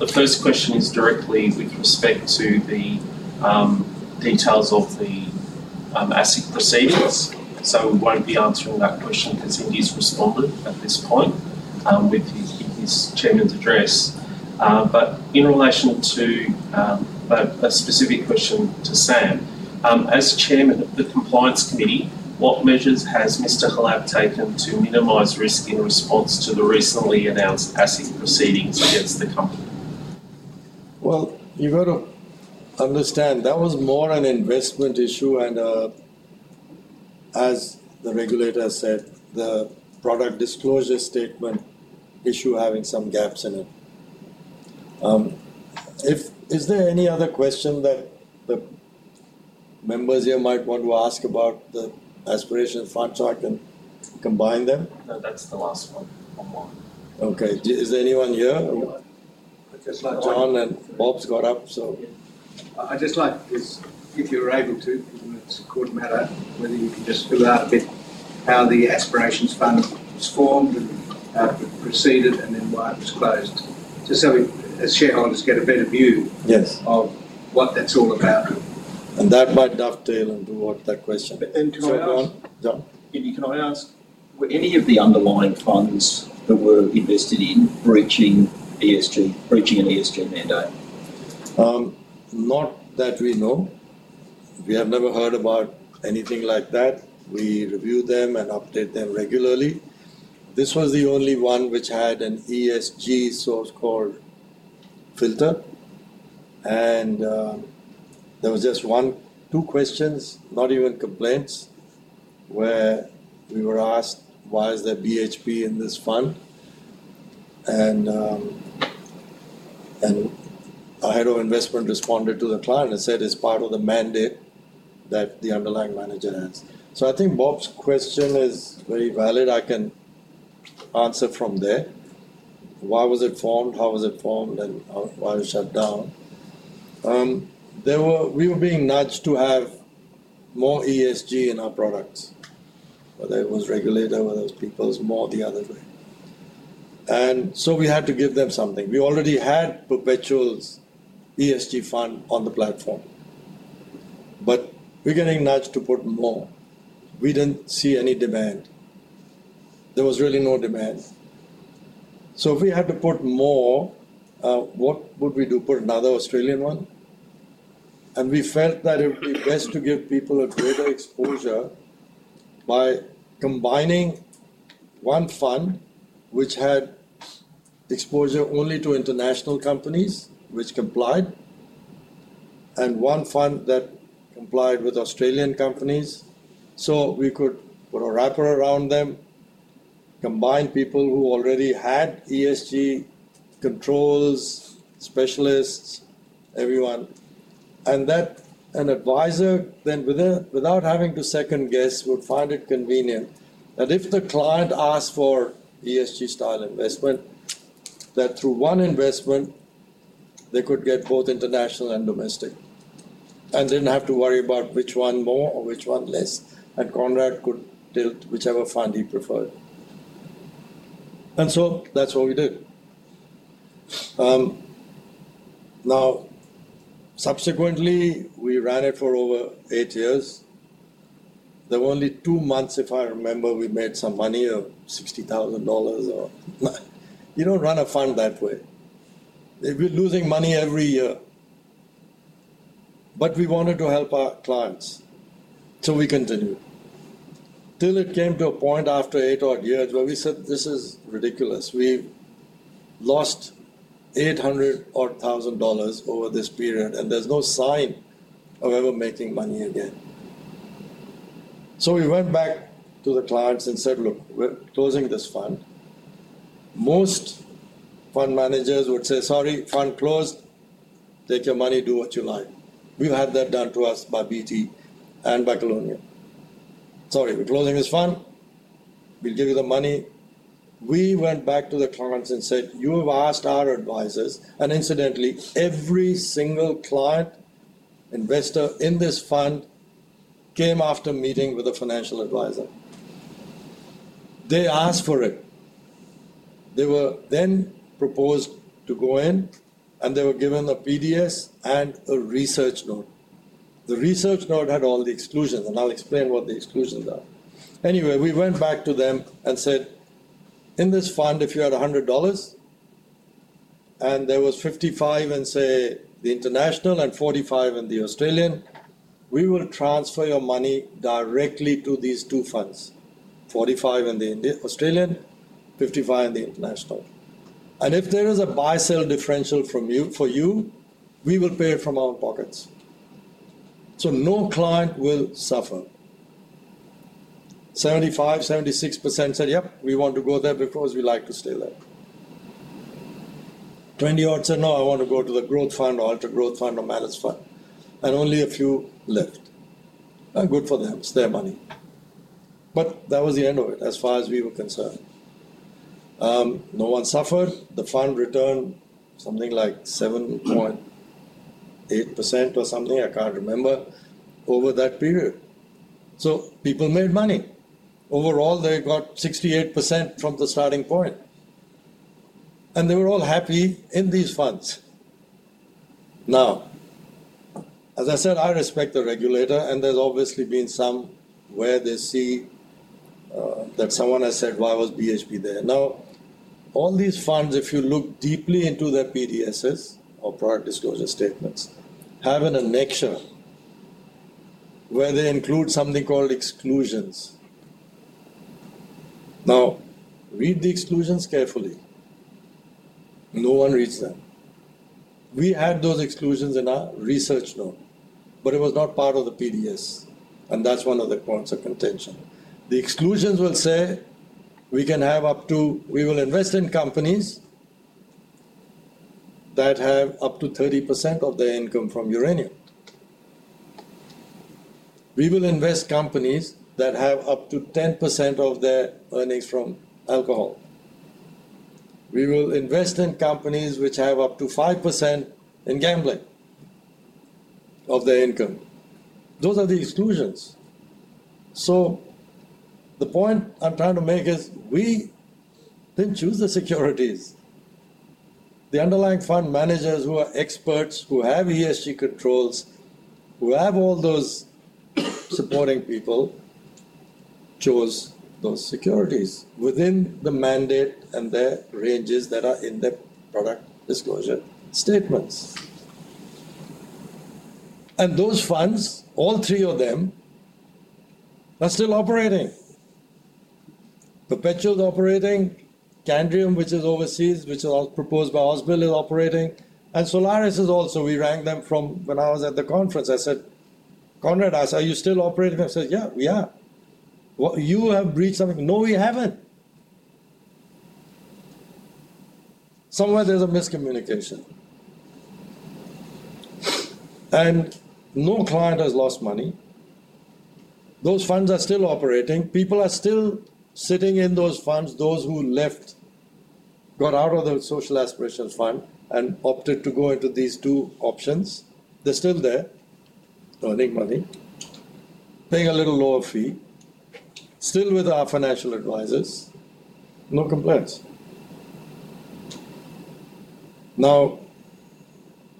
The first question is directly with respect to the details of the ASIC proceedings. We won't be answering that question because Indy's responded at this point with his Chairman's address. In relation to a specific question to Sam, as Chairman of the Compliance Committee, what measures has Mr. Hallab taken to minimize risk in response to the recently announced ASIC proceedings against the company? You have got to understand that was more an investment issue, and as the regulator said, the product disclosure statement issue having some gaps in it. Is there any other question that the members here might want to ask about the aspiration fund chart and combine them? No, that's the last one. Okay. Is there anyone here? John and Bob got up, so. I'd just like if you were able to, in a court matter, whether you could just figure out how the Aspirations Fund was formed and how it proceeded and then why it was closed. Just so we as shareholders get a better view of what it's all about. That might dovetail into what that question. Go on, John. Can I ask, were any of the underlying funds that were invested in breaching ESG, breaching an ESG mandate? Not that we know. If you have never heard about anything like that, we review them and update them regularly. This was the only one which had an ESG source code filter, and there was just one, two questions, not even complaints, where we were asked, why is there BHP in this fund? Our Head of Investment responded to the client and said it's part of the mandate that the underlying manager has. I think Bob's question is very valid. I can answer from there. Why was it formed, how was it formed, and why was it shut down? We were being nudged to have more ESG in our products, whether it was regulated, whether it was people's mob, the other thing. We had to give them something. We already had Perpetual ESG fund on the platform, but we were getting nudged to put more. We didn't see any demand. There was really no demand. If we had to put more, what would we do? Put another Australian one? We felt that it would be best to give people a greater exposure by combining one fund which had exposure only to international companies which complied and one fund that complied with Australian companies so we could put a wrapper around them, combine people who already had ESG controls, specialists, everyone, and that an advisor then without having to second guess would find it convenient that if the client asked for ESG style investment, that through one investment they could get both international and domestic and didn't have to worry about which one more or which one less, and Conrad could tilt whichever fund he preferred. That's what we did. Subsequently, we ran it for over eight years. There were only two months, if I remember, we made some money of 60,000 dollars. You don't run a fund that way. We were losing money every year. We wanted to help our clients, so we continued. It came to a point after eight odd years where we said this is ridiculous. We lost 800 or 1,000 dollars over this period, and there's no sign of ever making money again. We went back to the clients and said, look, we're closing this fund. Most fund managers would say, sorry, fund closed. Take your money, do what you like. We've had that done to us by BT and by Colonial. Sorry, we're closing this fund. We'll give you the money. We went back to the clients and said, you have asked our advisors, and incidentally, every single client investor in this fund came after meeting with a financial advisor. They asked for it. They were then proposed to go in, and they were given a PDS and a research note. The research note had all the exclusions, and I'll explain what the exclusions are. Anyway, we went back to them and said, in this fund, if you had 100 dollars and there was 55 in, say, the international and 45 in the Australian, we will transfer your money directly to these two funds, 45 in the Australian and 55 in the international. If there is a buy-sell differential for you, we will pay it from our pockets. No client will suffer. 75%-76% said, yep, we want to go there because we like to stay there. 20-odd said, no, I want to go to the growth fund or ultra growth fund or managed fund, and only a few left. Good for them. It's their money. That was the end of it as far as we were concerned. No one suffered. The fund returned something like 7.8% or something. I can't remember over that period. People made money. Overall, they got 68% from the starting point, and they were all happy in these funds. Now, as I said, I respect the regulator, and there's obviously been some where they see that someone has said, why was BHP there? All these funds, if you look deeply into their PDSs or product disclosure statements, have an annexure where they include something called exclusions. Read the exclusions carefully. No one reads them. We had those exclusions in our research note, but it was not part of the PDS, and that's one of the causes of contention. The exclusions will say we can have up to, we will invest in companies that have up to 30% of their income from uranium. We will invest in companies that have up to 10% of their earnings from alcohol. We will invest in companies which have up to 5% in gambling of their income. Those are the exclusions. The point I'm trying to make is we didn't choose the securities. The underlying fund managers who are experts, who have ESG controls, who have all those supporting people, chose those securities within the mandate and their ranges that are in their product disclosure statements. Those funds, all three of them are still operating. Perpetual's operating, Candriam, which is overseas, which is proposed by Hospel, is operating, and Xolaris is also. We ranked them from when I was at the conference. I said, Conrad asked, are you still operating? I said, yeah, we are. What? You have breached something? No, we haven't. Somewhere there's a miscommunication. No client has lost money. Those funds are still operating. People are still sitting in those funds. Those who left got out of the Social Aspirations Fund and opted to go into these two options. They're still there, earning money, paying a little lower fee, still with our financial advisors, no complaints. Now,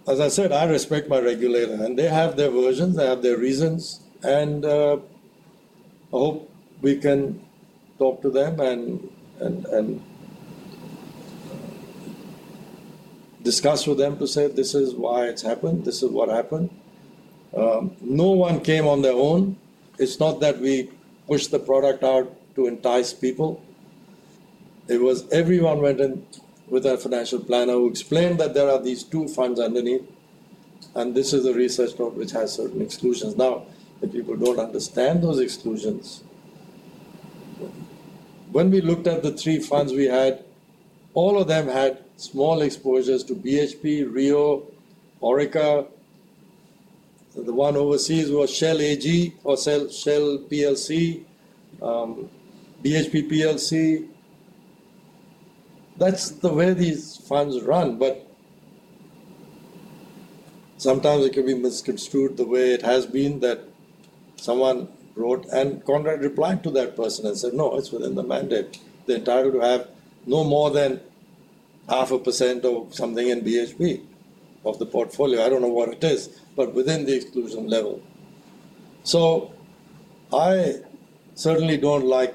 as I said, I respect my regulator, and they have their versions, they have their reasons, and I hope we can talk to them and discuss with them to say this is why it's happened, this is what happened. No one came on their own. It's not that we pushed the product out to entice people. Everyone went in with our financial planner who explained that there are these two funds underneath, and this is a research topic which has certain exclusions. If people don't understand those exclusions, when we looked at the three funds we had, all of them had small exposures to BHP, Rio, Orica, the one overseas was Shell AG or Shell PLC, BHP PLC. That's the way these funds run. Sometimes it could be misconstrued the way it has been that someone wrote, and Conrad replied to that person and said, no, it's within the mandate. They're entitled to have no more than 0.5% of something in BHP of the portfolio. I don't know what it is, but within the exclusion level. I certainly don't like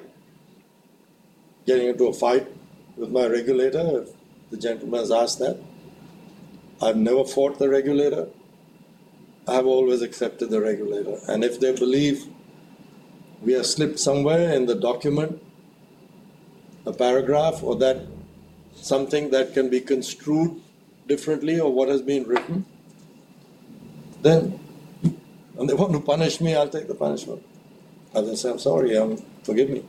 getting into a fight with my regulator if the gentleman has asked that. I've never fought the regulator. I have always accepted the regulator, and if they believe we have slipped somewhere in the document, a paragraph, or that something that can be construed differently or what has been written, then they want to punish me. I'll take the punishment. I'll say, I'm sorry, forgive me.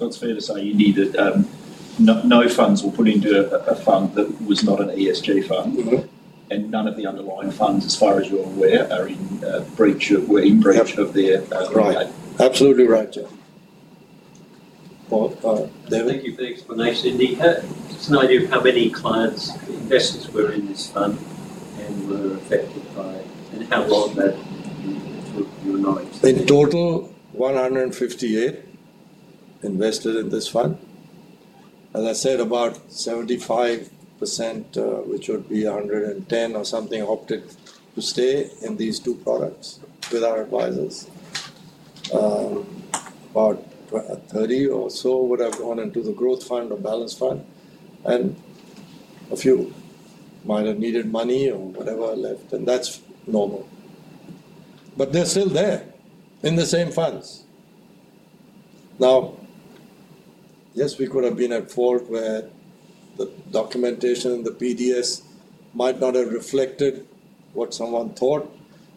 It's fair to say, Indy, that no funds were put into a fund that was not an ESG fund, and none of the underlying funds, as far as you're aware, are in breach of their... Right. Absolutely right. Yeah. Thank you for the explanation, Indy. Just an idea of how many clients, investors were in this fund and were affected by it. In total, 158 invested in this fund. As I said, about 75%, which would be 110 or something, opted to stay in these two products with our advisors. About 30 or so would have gone into the growth fund or balance fund, and a few might have needed money or whatever left, and that's normal. They're still there in the same funds. Now, yes, we could have been at fault where the documentation in the PDS might not have reflected what someone thought,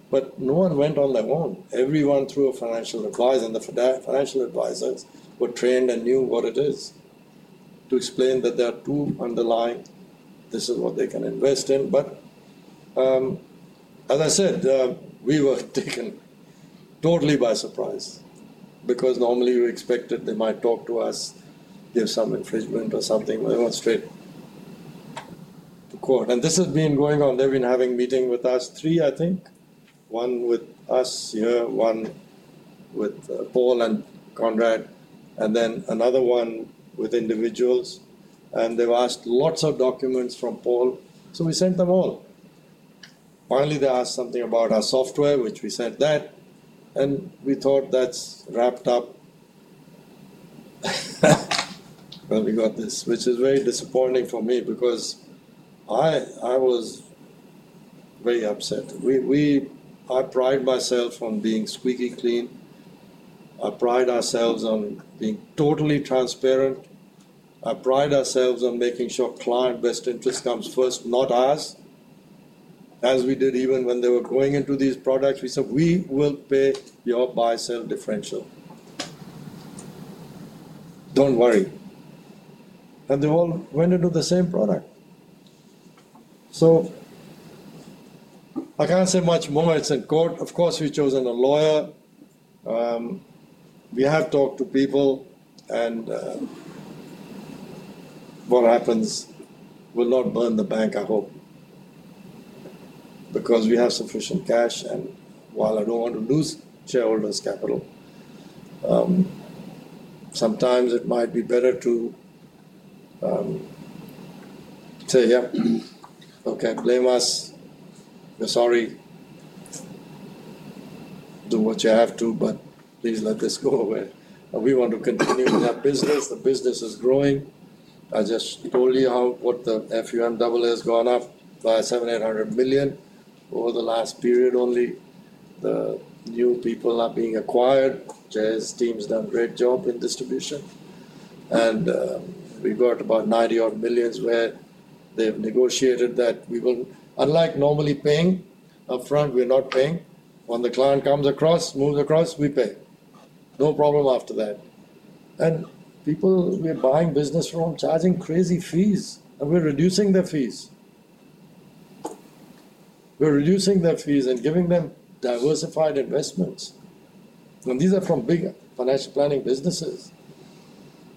but no one went on their own. Everyone through a financial advisor, and the financial advisors were trained and knew what it is to explain that there are two underlying, this is what they can invest in. As I said, we were taken totally by surprise because normally we expected they might talk to us, give some infringement or something, but it was straight to court. This has been going on. They've been having meetings with us, three, I think. One with us here, one with Paul and Conrad, and then another one with individuals. They've asked lots of documents from Paul, so we sent them all. Finally, they asked something about our software, which we sent that, and we thought that's wrapped up. I got this, which is very disappointing for me because I was very upset. I pride myself on being squeaky clean. I pride ourselves on being totally transparent. I pride ourselves on making sure client best interest comes first, not us. As we did, even when they were going into these products, we said, we will pay your buy-sell differential. Don't worry. They all went into the same product. I can't say much more. It's in court. Of course, we've chosen a lawyer. We have talked to people, and what happens will not burn the bank, I hope, because we have sufficient cash. While I don't want to lose shareholders' capital, sometimes it might be better to say, yeah, okay, blame us. We're sorry. Do what you have to, but please let this go away. We want to continue in our business. The business is growing. I just told you how what the FUMAA has gone up by 700 million over the last period only. The new people are being acquired. Jazz team's done a great job in distribution. We've got about 90 million odd where they've negotiated that we will, unlike normally paying upfront, we're not paying. When the client comes across, moves across, we pay. No problem after that. People, we're buying business from charging crazy fees, and we're reducing their fees. We're reducing their fees and giving them diversified investments. These are from big financial planning businesses.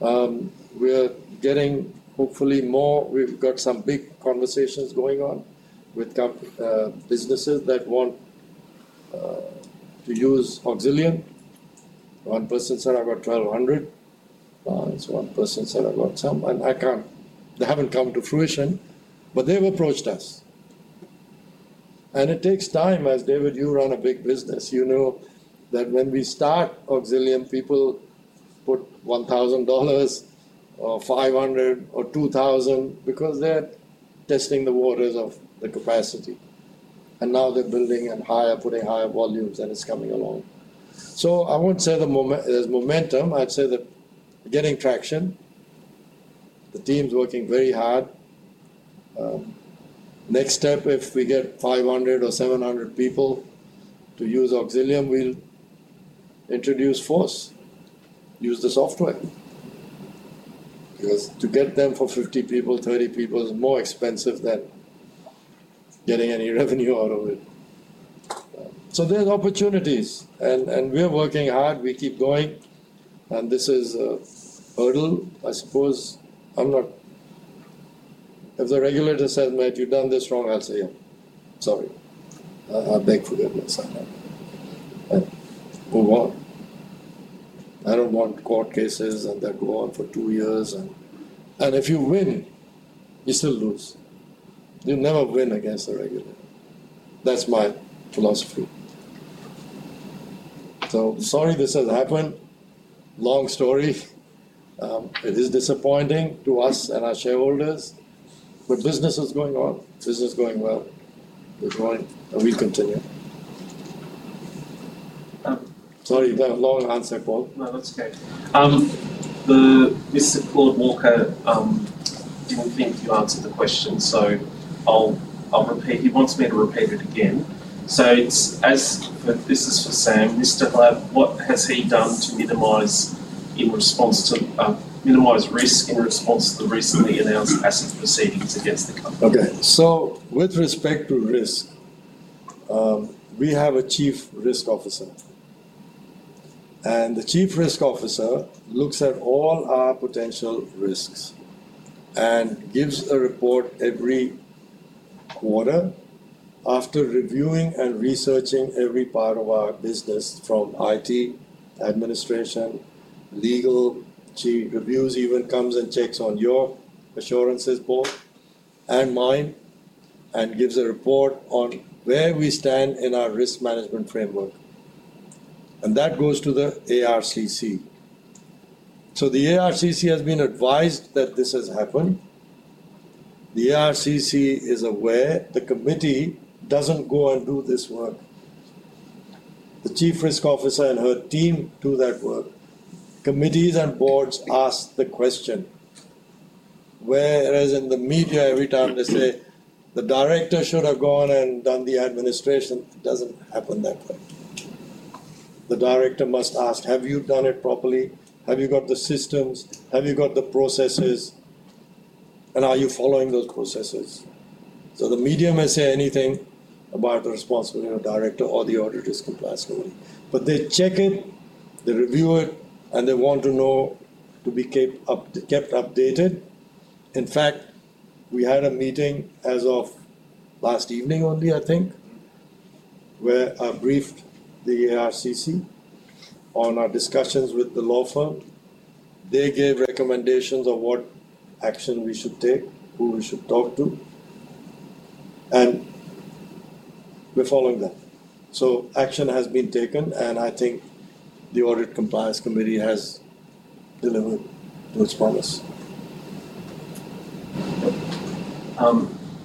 We're getting hopefully more. We've got some big conversations going on with businesses that want to use Auxilium. One person said I've got 1,200 funds. One person said I've got some, and I can't. They haven't come to fruition, but they've approached us. It takes time. As David, you run a big business, you know that when we start Auxilium, people put 1,000 dollars or 500 or 2,000 because they're testing the waters of the capacity. Now they're building and putting higher volumes and it's coming along. I won't say there's momentum. I'd say that we're getting traction. The team's working very hard. Next step, if we get 500 or 700 people to use Auxilium, we'll introduce force. Use the software. To get them for 50 people, 30 people is more expensive than getting any revenue out of it. There's opportunities and we're working hard. We keep going. This is a hurdle, I suppose. If the regulator says, "Matt, you've done this wrong," I'll say, "Yeah, sorry. I beg forgiveness." I'll move on. I don't want court cases and that go on for two years. If you win, you still lose. You'll never win against the regulator. That's my philosophy. Sorry this has happened. Long story. It is disappointing to us and our shareholders, but business is going on. Business is going well. It's growing and we'll continue. Sorry, that was a long answer, Paul. That's okay. Mr. Claude Walker wanted to answer the question, so I'll repeat. He wants me to repeat it again. As for this, this is for Sam, Mr. Black, what has he done to minimize risk in response to the recently announced ASIC proceedings against the company? Okay, back to risk. We have a Chief Risk Officer. The Chief Risk Officer looks at all our potential risks and gives a report every quarter after reviewing and researching every part of our business, from IT, administration, legal. She reviews, even comes and checks on your assurances board and mine, and gives a report on where we stand in our risk management framework. That goes to the ARCC. The ARCC has been advised that this has happened. The ARCC is aware. The committee doesn't go and do this work. The Chief Risk Officer and her team do that work. Committees and boards ask the question. In the media, every time they say, "The director should have gone and done the administration," it doesn't happen that way. The director must ask, "Have you done it properly? Have you got the systems? Have you got the processes? And are you following those processes?" The media may say anything about the responsibility of the director or the auditors complying with. They check it, they review it, and they want to know to be kept updated. In fact, we had a meeting as of last evening only, I think, where I briefed the ARCC on our discussions with the law firm. They gave recommendations on what action we should take, who we should talk to. We're following that. Action has been taken, and I think the Audit Compliance Committee has delivered those promise.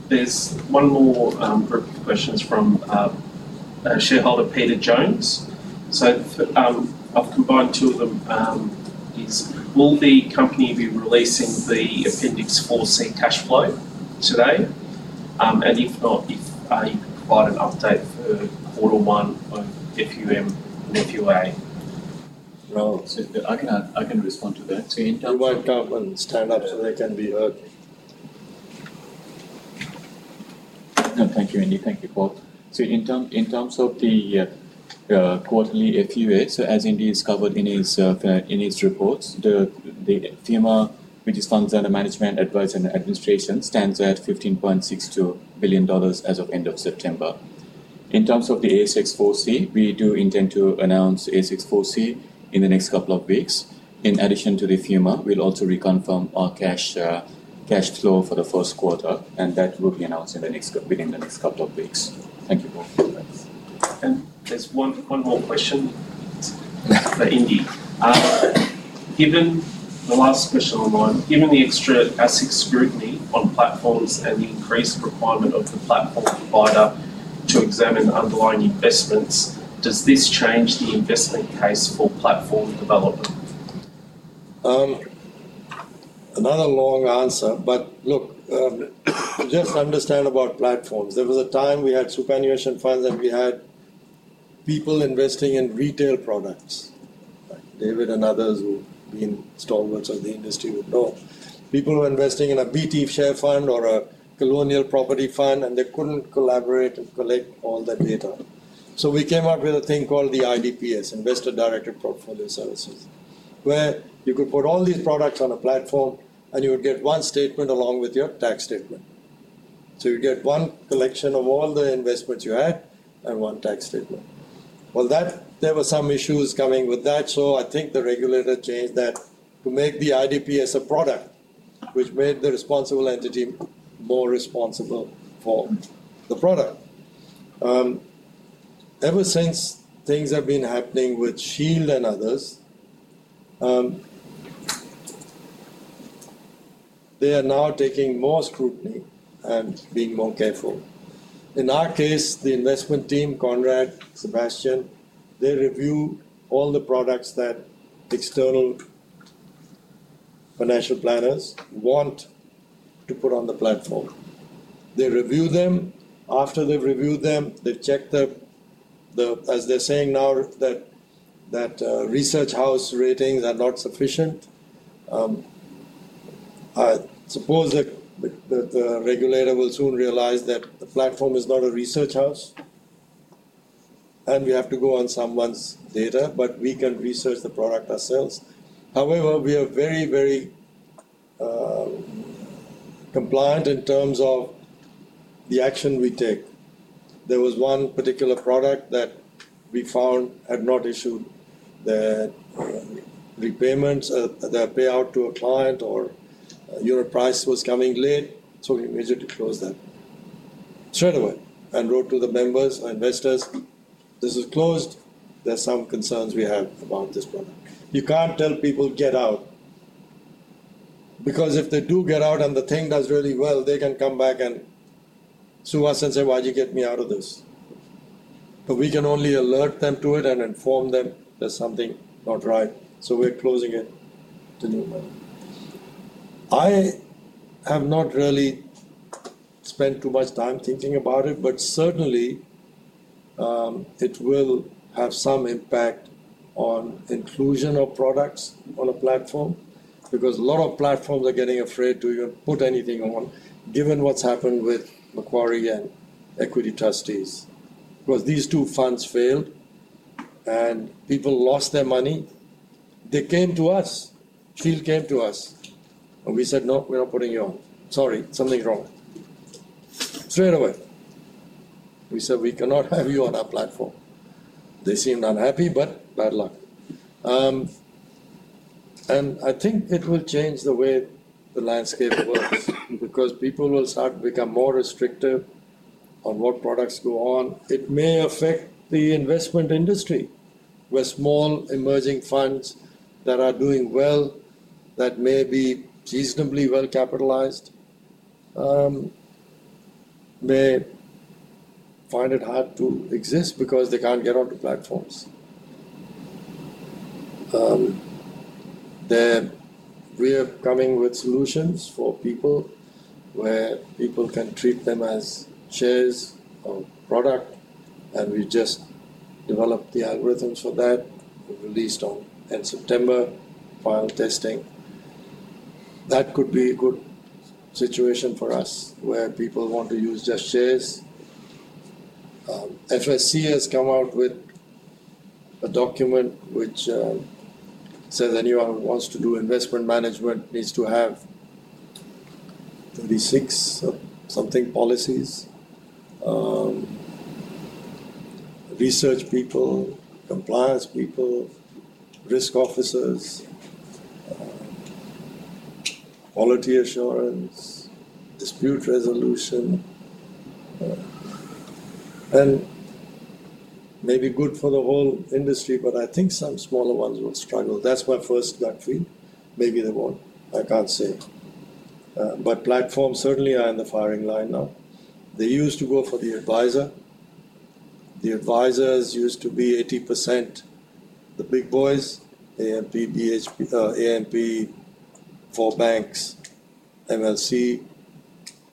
There's one more for questions from a shareholder, Peter Jones. I've combined two of them. Will the company be releasing the Appendix 4C cash flow today? If not, can you provide an update for quarter one of FUM and FUA? Right. I can respond to that. Why can't one stand up so they can be heard? No, thank you, Indy. Thank you, Paul. In terms of the quarterly FUMAA, as Indy has covered in his reports, the FUMAA, which is Funds Under Management, Advice, and Administration, stands at 15.62 billion dollars as of end of September. In terms of the ASX 4C, we do intend to announce ASX 4C in the next couple of weeks. In addition to the FUMAA, we'll also reconfirm our cash flow for the first quarter, and that will be announced in the next couple of weeks. Thank you, Paul. I have just one more question. Yes. For Indy. Given the last question, given the extra ethics scrutiny on platforms and the increased requirement of the platform provider to examine underlying investments, does this change the investment case for platform development? Another long answer, but look, just to understand about platforms, there was a time we had superannuation funds and we had people investing in retail products. David and others who have been stalwarts of the industry would know. People were investing in a BT share fund or a Colonial property fund, and they couldn't collaborate and collect all that data. We came up with a thing called the IDPS, Investor Directed Portfolio Services, where you could put all these products on a platform and you would get one statement along with your tax statement. You'd get one collection of all the investments you had and one tax statement. There were some issues coming with that, so I think the regulator changed that to make the IDPS a product, which made the responsible entity more responsible for the product. Ever since things have been happening with Shield and others, they are now taking more scrutiny and being more careful. In our case, the investment team, Conrad, Sebastian, they review all the products that external financial planners want to put on the platform. They review them. After they've reviewed them, they've checked the, as they're saying now, that research house ratings are not sufficient. I suppose that the regulator will soon realize that the platform is not a research house. We have to go on someone's data, but we can research the product ourselves. However, we are very, very compliant in terms of the action we take. There was one particular product that we found had not issued the repayments, the payout to a client, or your price was coming late. We immediately closed that straight away and wrote to the members and investors, "This is closed. There are some concerns we have about this product." You can't tell people to get out. Because if they do get out and the thing does really well, they can come back and sue us and say, "Why did you get me out of this?" We can only alert them to it and inform them there's something not right. We're closing it to no one. I have not really spent too much time thinking about it, but certainly, it will have some impact on inclusion of products on a platform because a lot of platforms are getting afraid to even put anything on, given what's happened with Macquarie and Equity Trustees. These two funds failed and people lost their money, they came to us. Shield came to us. We said, "No, we're not putting you on. Sorry, something's wrong." Straight away. We said, "We cannot have you on our platform." They seemed unhappy, but bad luck. I think it will change the way the landscape works because people will start to become more restrictive on what products go on. It may affect the investment industry, where small emerging funds that are doing well, that may be reasonably well capitalized, may find it hard to exist because they can't get on to platforms. We are coming with solutions for people where people can treat them as shares of products, and we just developed the algorithms for that. We've released on September, final testing. That could be a good situation for us where people want to use just shares. FSC has come out with a document which says anyone who wants to do investment management needs to have 36-something policies: research people, compliance people, risk officers, quality assurance, dispute resolution. It may be good for the whole industry, but I think some smaller ones will struggle. That's my first gut feel. Maybe they won't. I can't say it. Platforms certainly are in the firing line now. They used to go for the advisor. The advisors used to be 80%. The big boys, AMP, DHB, AMP, four banks, MLC.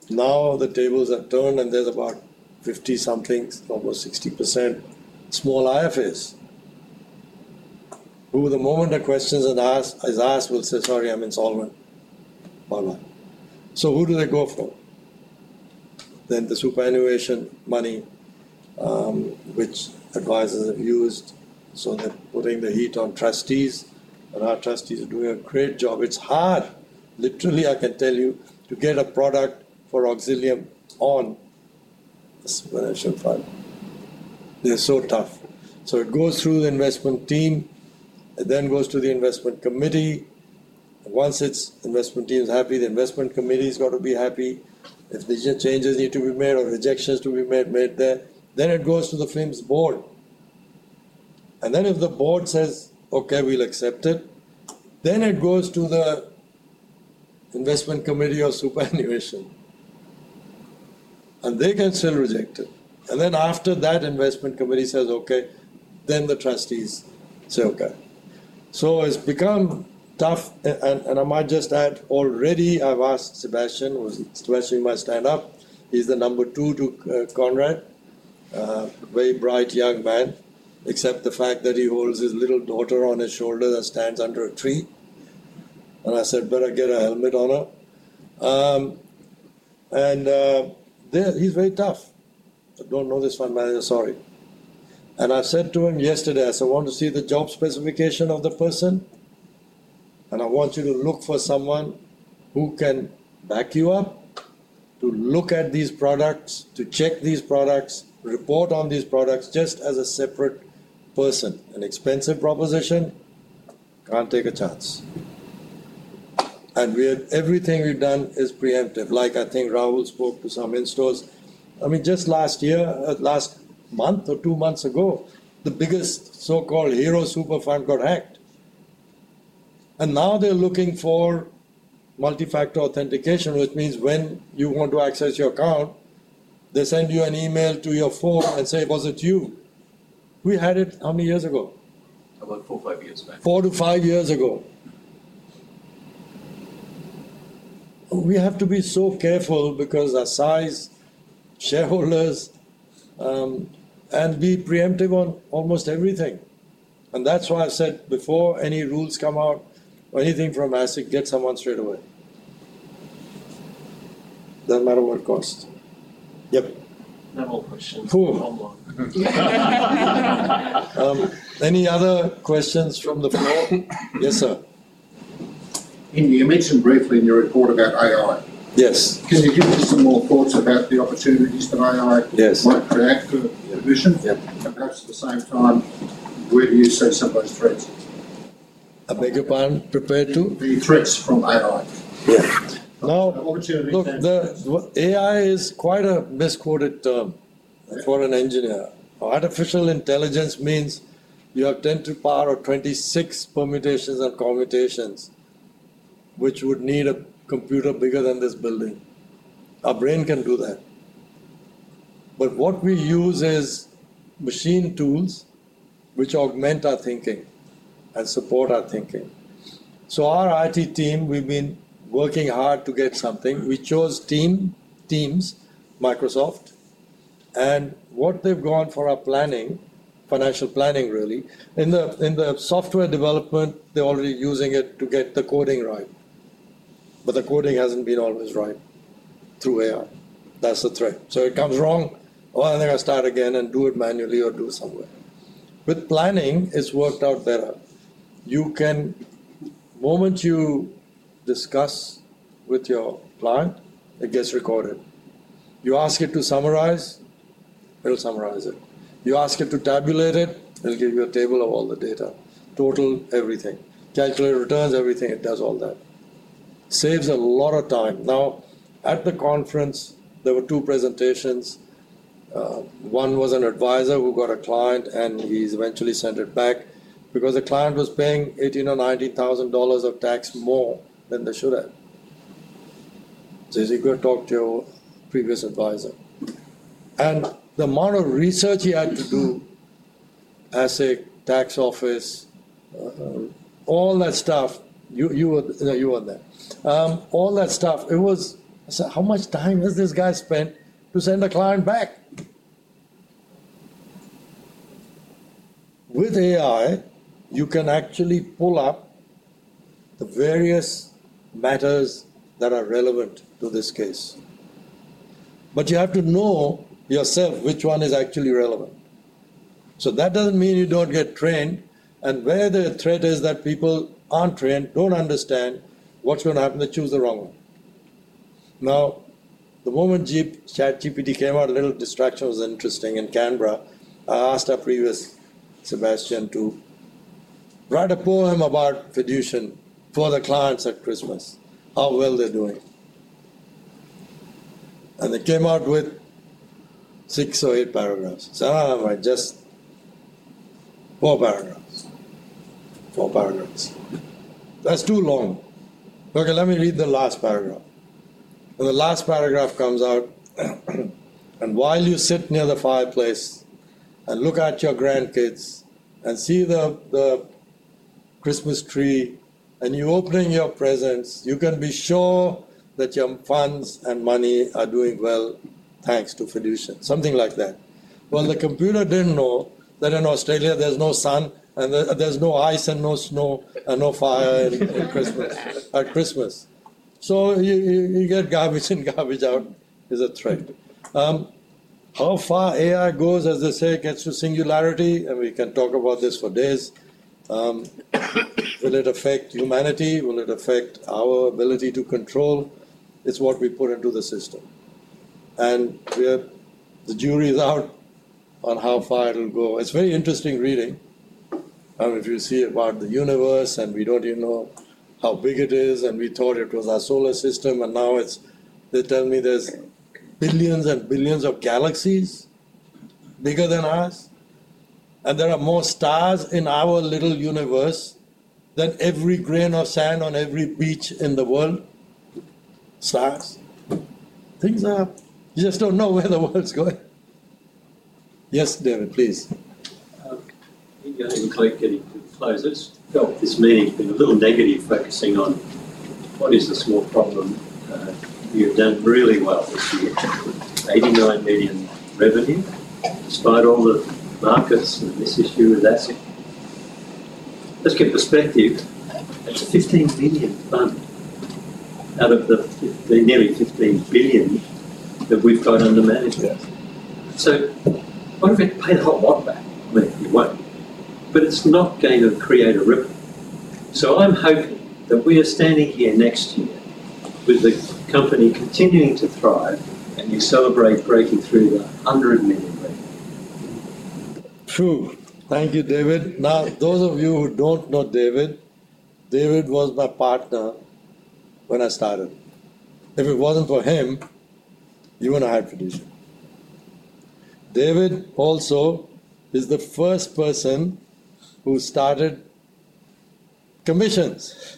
Now the tables have turned and there's about 50%-something, almost 60% small IFs. The moment a question is asked, they will say, "Sorry, I'm insolvent." Who do they go for? The superannuation money, which advisors have used, so they're putting the heat on trustees. Our trustees are doing a great job. It's hard, literally, I can tell you, to get a product for Auxilium on a Superannuation fund. They're so tough. It goes through the investment team. It then goes to the investment committee. Once the investment team is happy, the investment committee has got to be happy. If there are changes that need to be made or rejections to be made there, then it goes to the FIMS board. If the board says, "Okay, we'll accept it," then it goes to the investment committee or superannuation. They can still reject it. After that, the investment committee says, "Okay," then the trustees say, "Okay." It's become tough. I might just add, already I've asked Sebastian, "Sebastian, you might stand up." He's the number two to Conrad. Very bright young man, except the fact that he holds his little daughter on his shoulder that stands under a tree. I said, "Better get a helmet on her." He's very tough. I don't know this fund manager, sorry. I said to him yesterday, "I want to see the job specification of the person. I want you to look for someone who can back you up to look at these products, to check these products, report on these products just as a separate person. An expensive proposition. Can't take a chance." Everything we've done is preemptive. I think Rahul spoke to some installs. Just last year, last month or two months ago, the biggest so-called hero super fund got hacked. Now they're looking for multi-factor authentication, which means when you want to access your account, they send you an email to your phone and say, "Was it you?" We had it how many years ago? About four or five years back. Four to five years ago, we have to be so careful because our size, shareholders, and be preemptive on almost everything. That's why I said before any rules come out or anything from ASIC, get someone straight away. Doesn't matter what it costs. No more questions. Any other questions from the floor? Yes, sir. Indy, you mentioned briefly in your report about AI. Yes. Can you give us some more thoughts about the opportunities that AI might draft to the mission? Yep. Perhaps at the same time, where do you see some of those threats? A bigger plan prepared to? The threats from AI. Yeah. Now, I want you to look. The AI is quite a misquoted term for an engineer. Artificial intelligence means you have 10 to the power of 26 permutations and commutations, which would need a computer bigger than this building. A brain can do that. What we use is machine tools which augment our thinking and support our thinking. Our IT team, we've been working hard to get something. We chose Teams, Microsoft, and what they've gone for our planning, financial planning, really. In the software development, they're already using it to get the coding right. The coding hasn't been always right through AI. That's the threat. It comes wrong. I think I'll start again and do it manually or do it somewhere. With planning, it's worked out better. The moment you discuss with your client, it gets recorded. You ask it to summarize, it'll summarize it. You ask it to tabulate it, it'll give you a table of all the data, total everything. Calculate returns, everything, it does all that. Saves a lot of time. At the conference, there were two presentations. One was an advisor who got a client and he's eventually sent it back because the client was paying 18,000 or 19,000 dollars of tax more than they should have. He's going to talk to your previous advisor. The amount of research he had to do, ASIC, tax office, all that stuff, you were there. All that stuff, I said, how much time has this guy spent to send the client back? With AI, you can actually pull up the various matters that are relevant to this case. You have to know yourself which one is actually relevant. That doesn't mean you don't get trained. Where the threat is that people aren't trained, don't understand, what's going to happen, they choose the wrong one. The moment ChatGPT came out, a little distraction was interesting in Canberra. I asked our previous Sebastian to write a poem about fiduciary for the clients at Christmas, how well they're doing. They came out with six or eight paragraphs. I said, I just want four paragraphs. Four paragraphs. That's too long. Okay, let me read the last paragraph. The last paragraph comes out, "And while you sit near the fireplace and look at your grandkids and see the Christmas tree and you're opening your presents, you can be sure that your funds and money are doing well thanks to fiduciary." Something like that. The computer didn't know that in Australia there's no sun and there's no ice and no snow and no fire at Christmas. You get garbage in, garbage out, which is a threat. How far AI goes, as they say, gets to singularity, and we can talk about this for days. Will it affect humanity? Will it affect our ability to control? It's what we put into the system. The jury is out on how far it'll go. It's very interesting reading. I don't know if you see about the universe, and we don't even know how big it is. We thought it was our solar system, and now they tell me there's billions and billions of galaxies bigger than us, and there are more stars in our little universe than every grain of sand on every beach in the world. Stars. Things are, you just don't know where the world's going. Yes, David, please. Yeah, it looks like Gary prefers it. It's me with a little negative focusing on what is the small problem. You've done really well this year, too, with 89 million revenue, despite all the markets and the mess you do with that. Let's get a perspective. That's 16 million funds out of the nearly 16 billion that we've got under management. If it played a whole lot back, it won't, but it's not going to create a ripple. I'm hoping that we are standing here next year with this company continuing to thrive and you celebrate breaking through 100 million revenue. True. Thank you, David. Now, those of you who don't know David, David was my partner when I started. If it wasn't for him, you wouldn't have had Fiducian. David also is the first person who started commissions.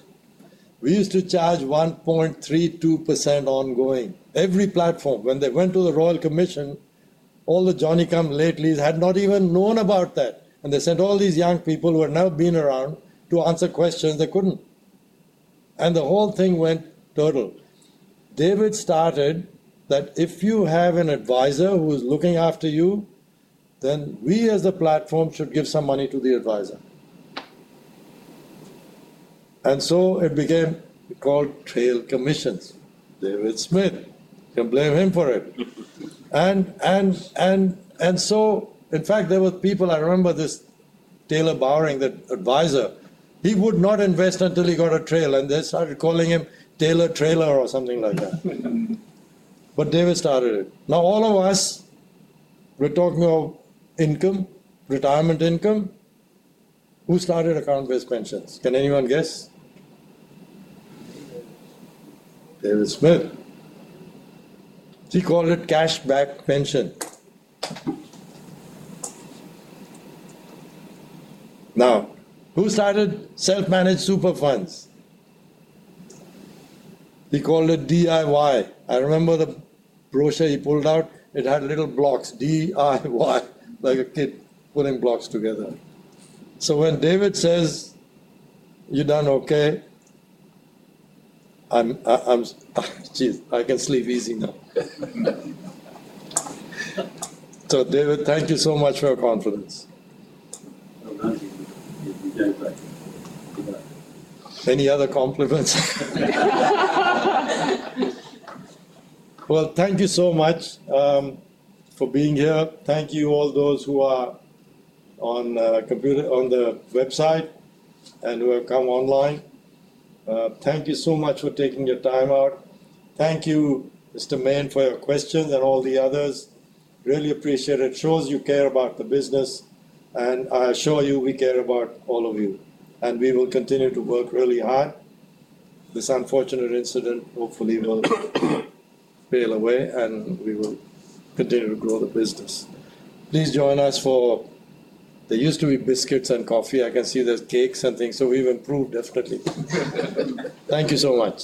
We used to charge 1.32% ongoing. Every platform, when they went to the Royal Commission, all the Johnny-come-latelies had not even known about that. They sent all these young people who had never been around to answer questions they couldn't. The whole thing went turtle. David started that if you have an advisor who's looking after you, then we as a platform should give some money to the advisor. It became called Trail Commissions. David Smith. You can blame him for it. In fact, there were people, I remember this, Taylor Bowring, the advisor, he would not invest until he got a trail, and they started calling him Taylor Trailer or something like that. David started it. Now, all of us, we're talking about income, retirement income. Who started account-based pensions? Can anyone guess? David Smith. He called it cash-back pension. Now, who started self-managed super funds? He called it DIY. I remember the brochure he pulled out. It had little blocks. DIY, like a kid pulling blocks together. So when David says you've done okay, I'm, geez, I can sleep easy now. David, thank you so much for your confidence. Any other compliments? Thank you so much for being here. Thank you all those who are on the computer, on the website, and who have come online. Thank you so much for taking your time out. Thank you, Mr. Mann, for your questions and all the others. Really appreciate it. It shows you care about the business, and I assure you we care about all of you. We will continue to work really hard. This unfortunate incident hopefully will be away, and we will continue to grow the business. Please join us for the used-to-be biscuits and coffee. I can see there's cakes and things, so we've improved definitely. Thank you so much.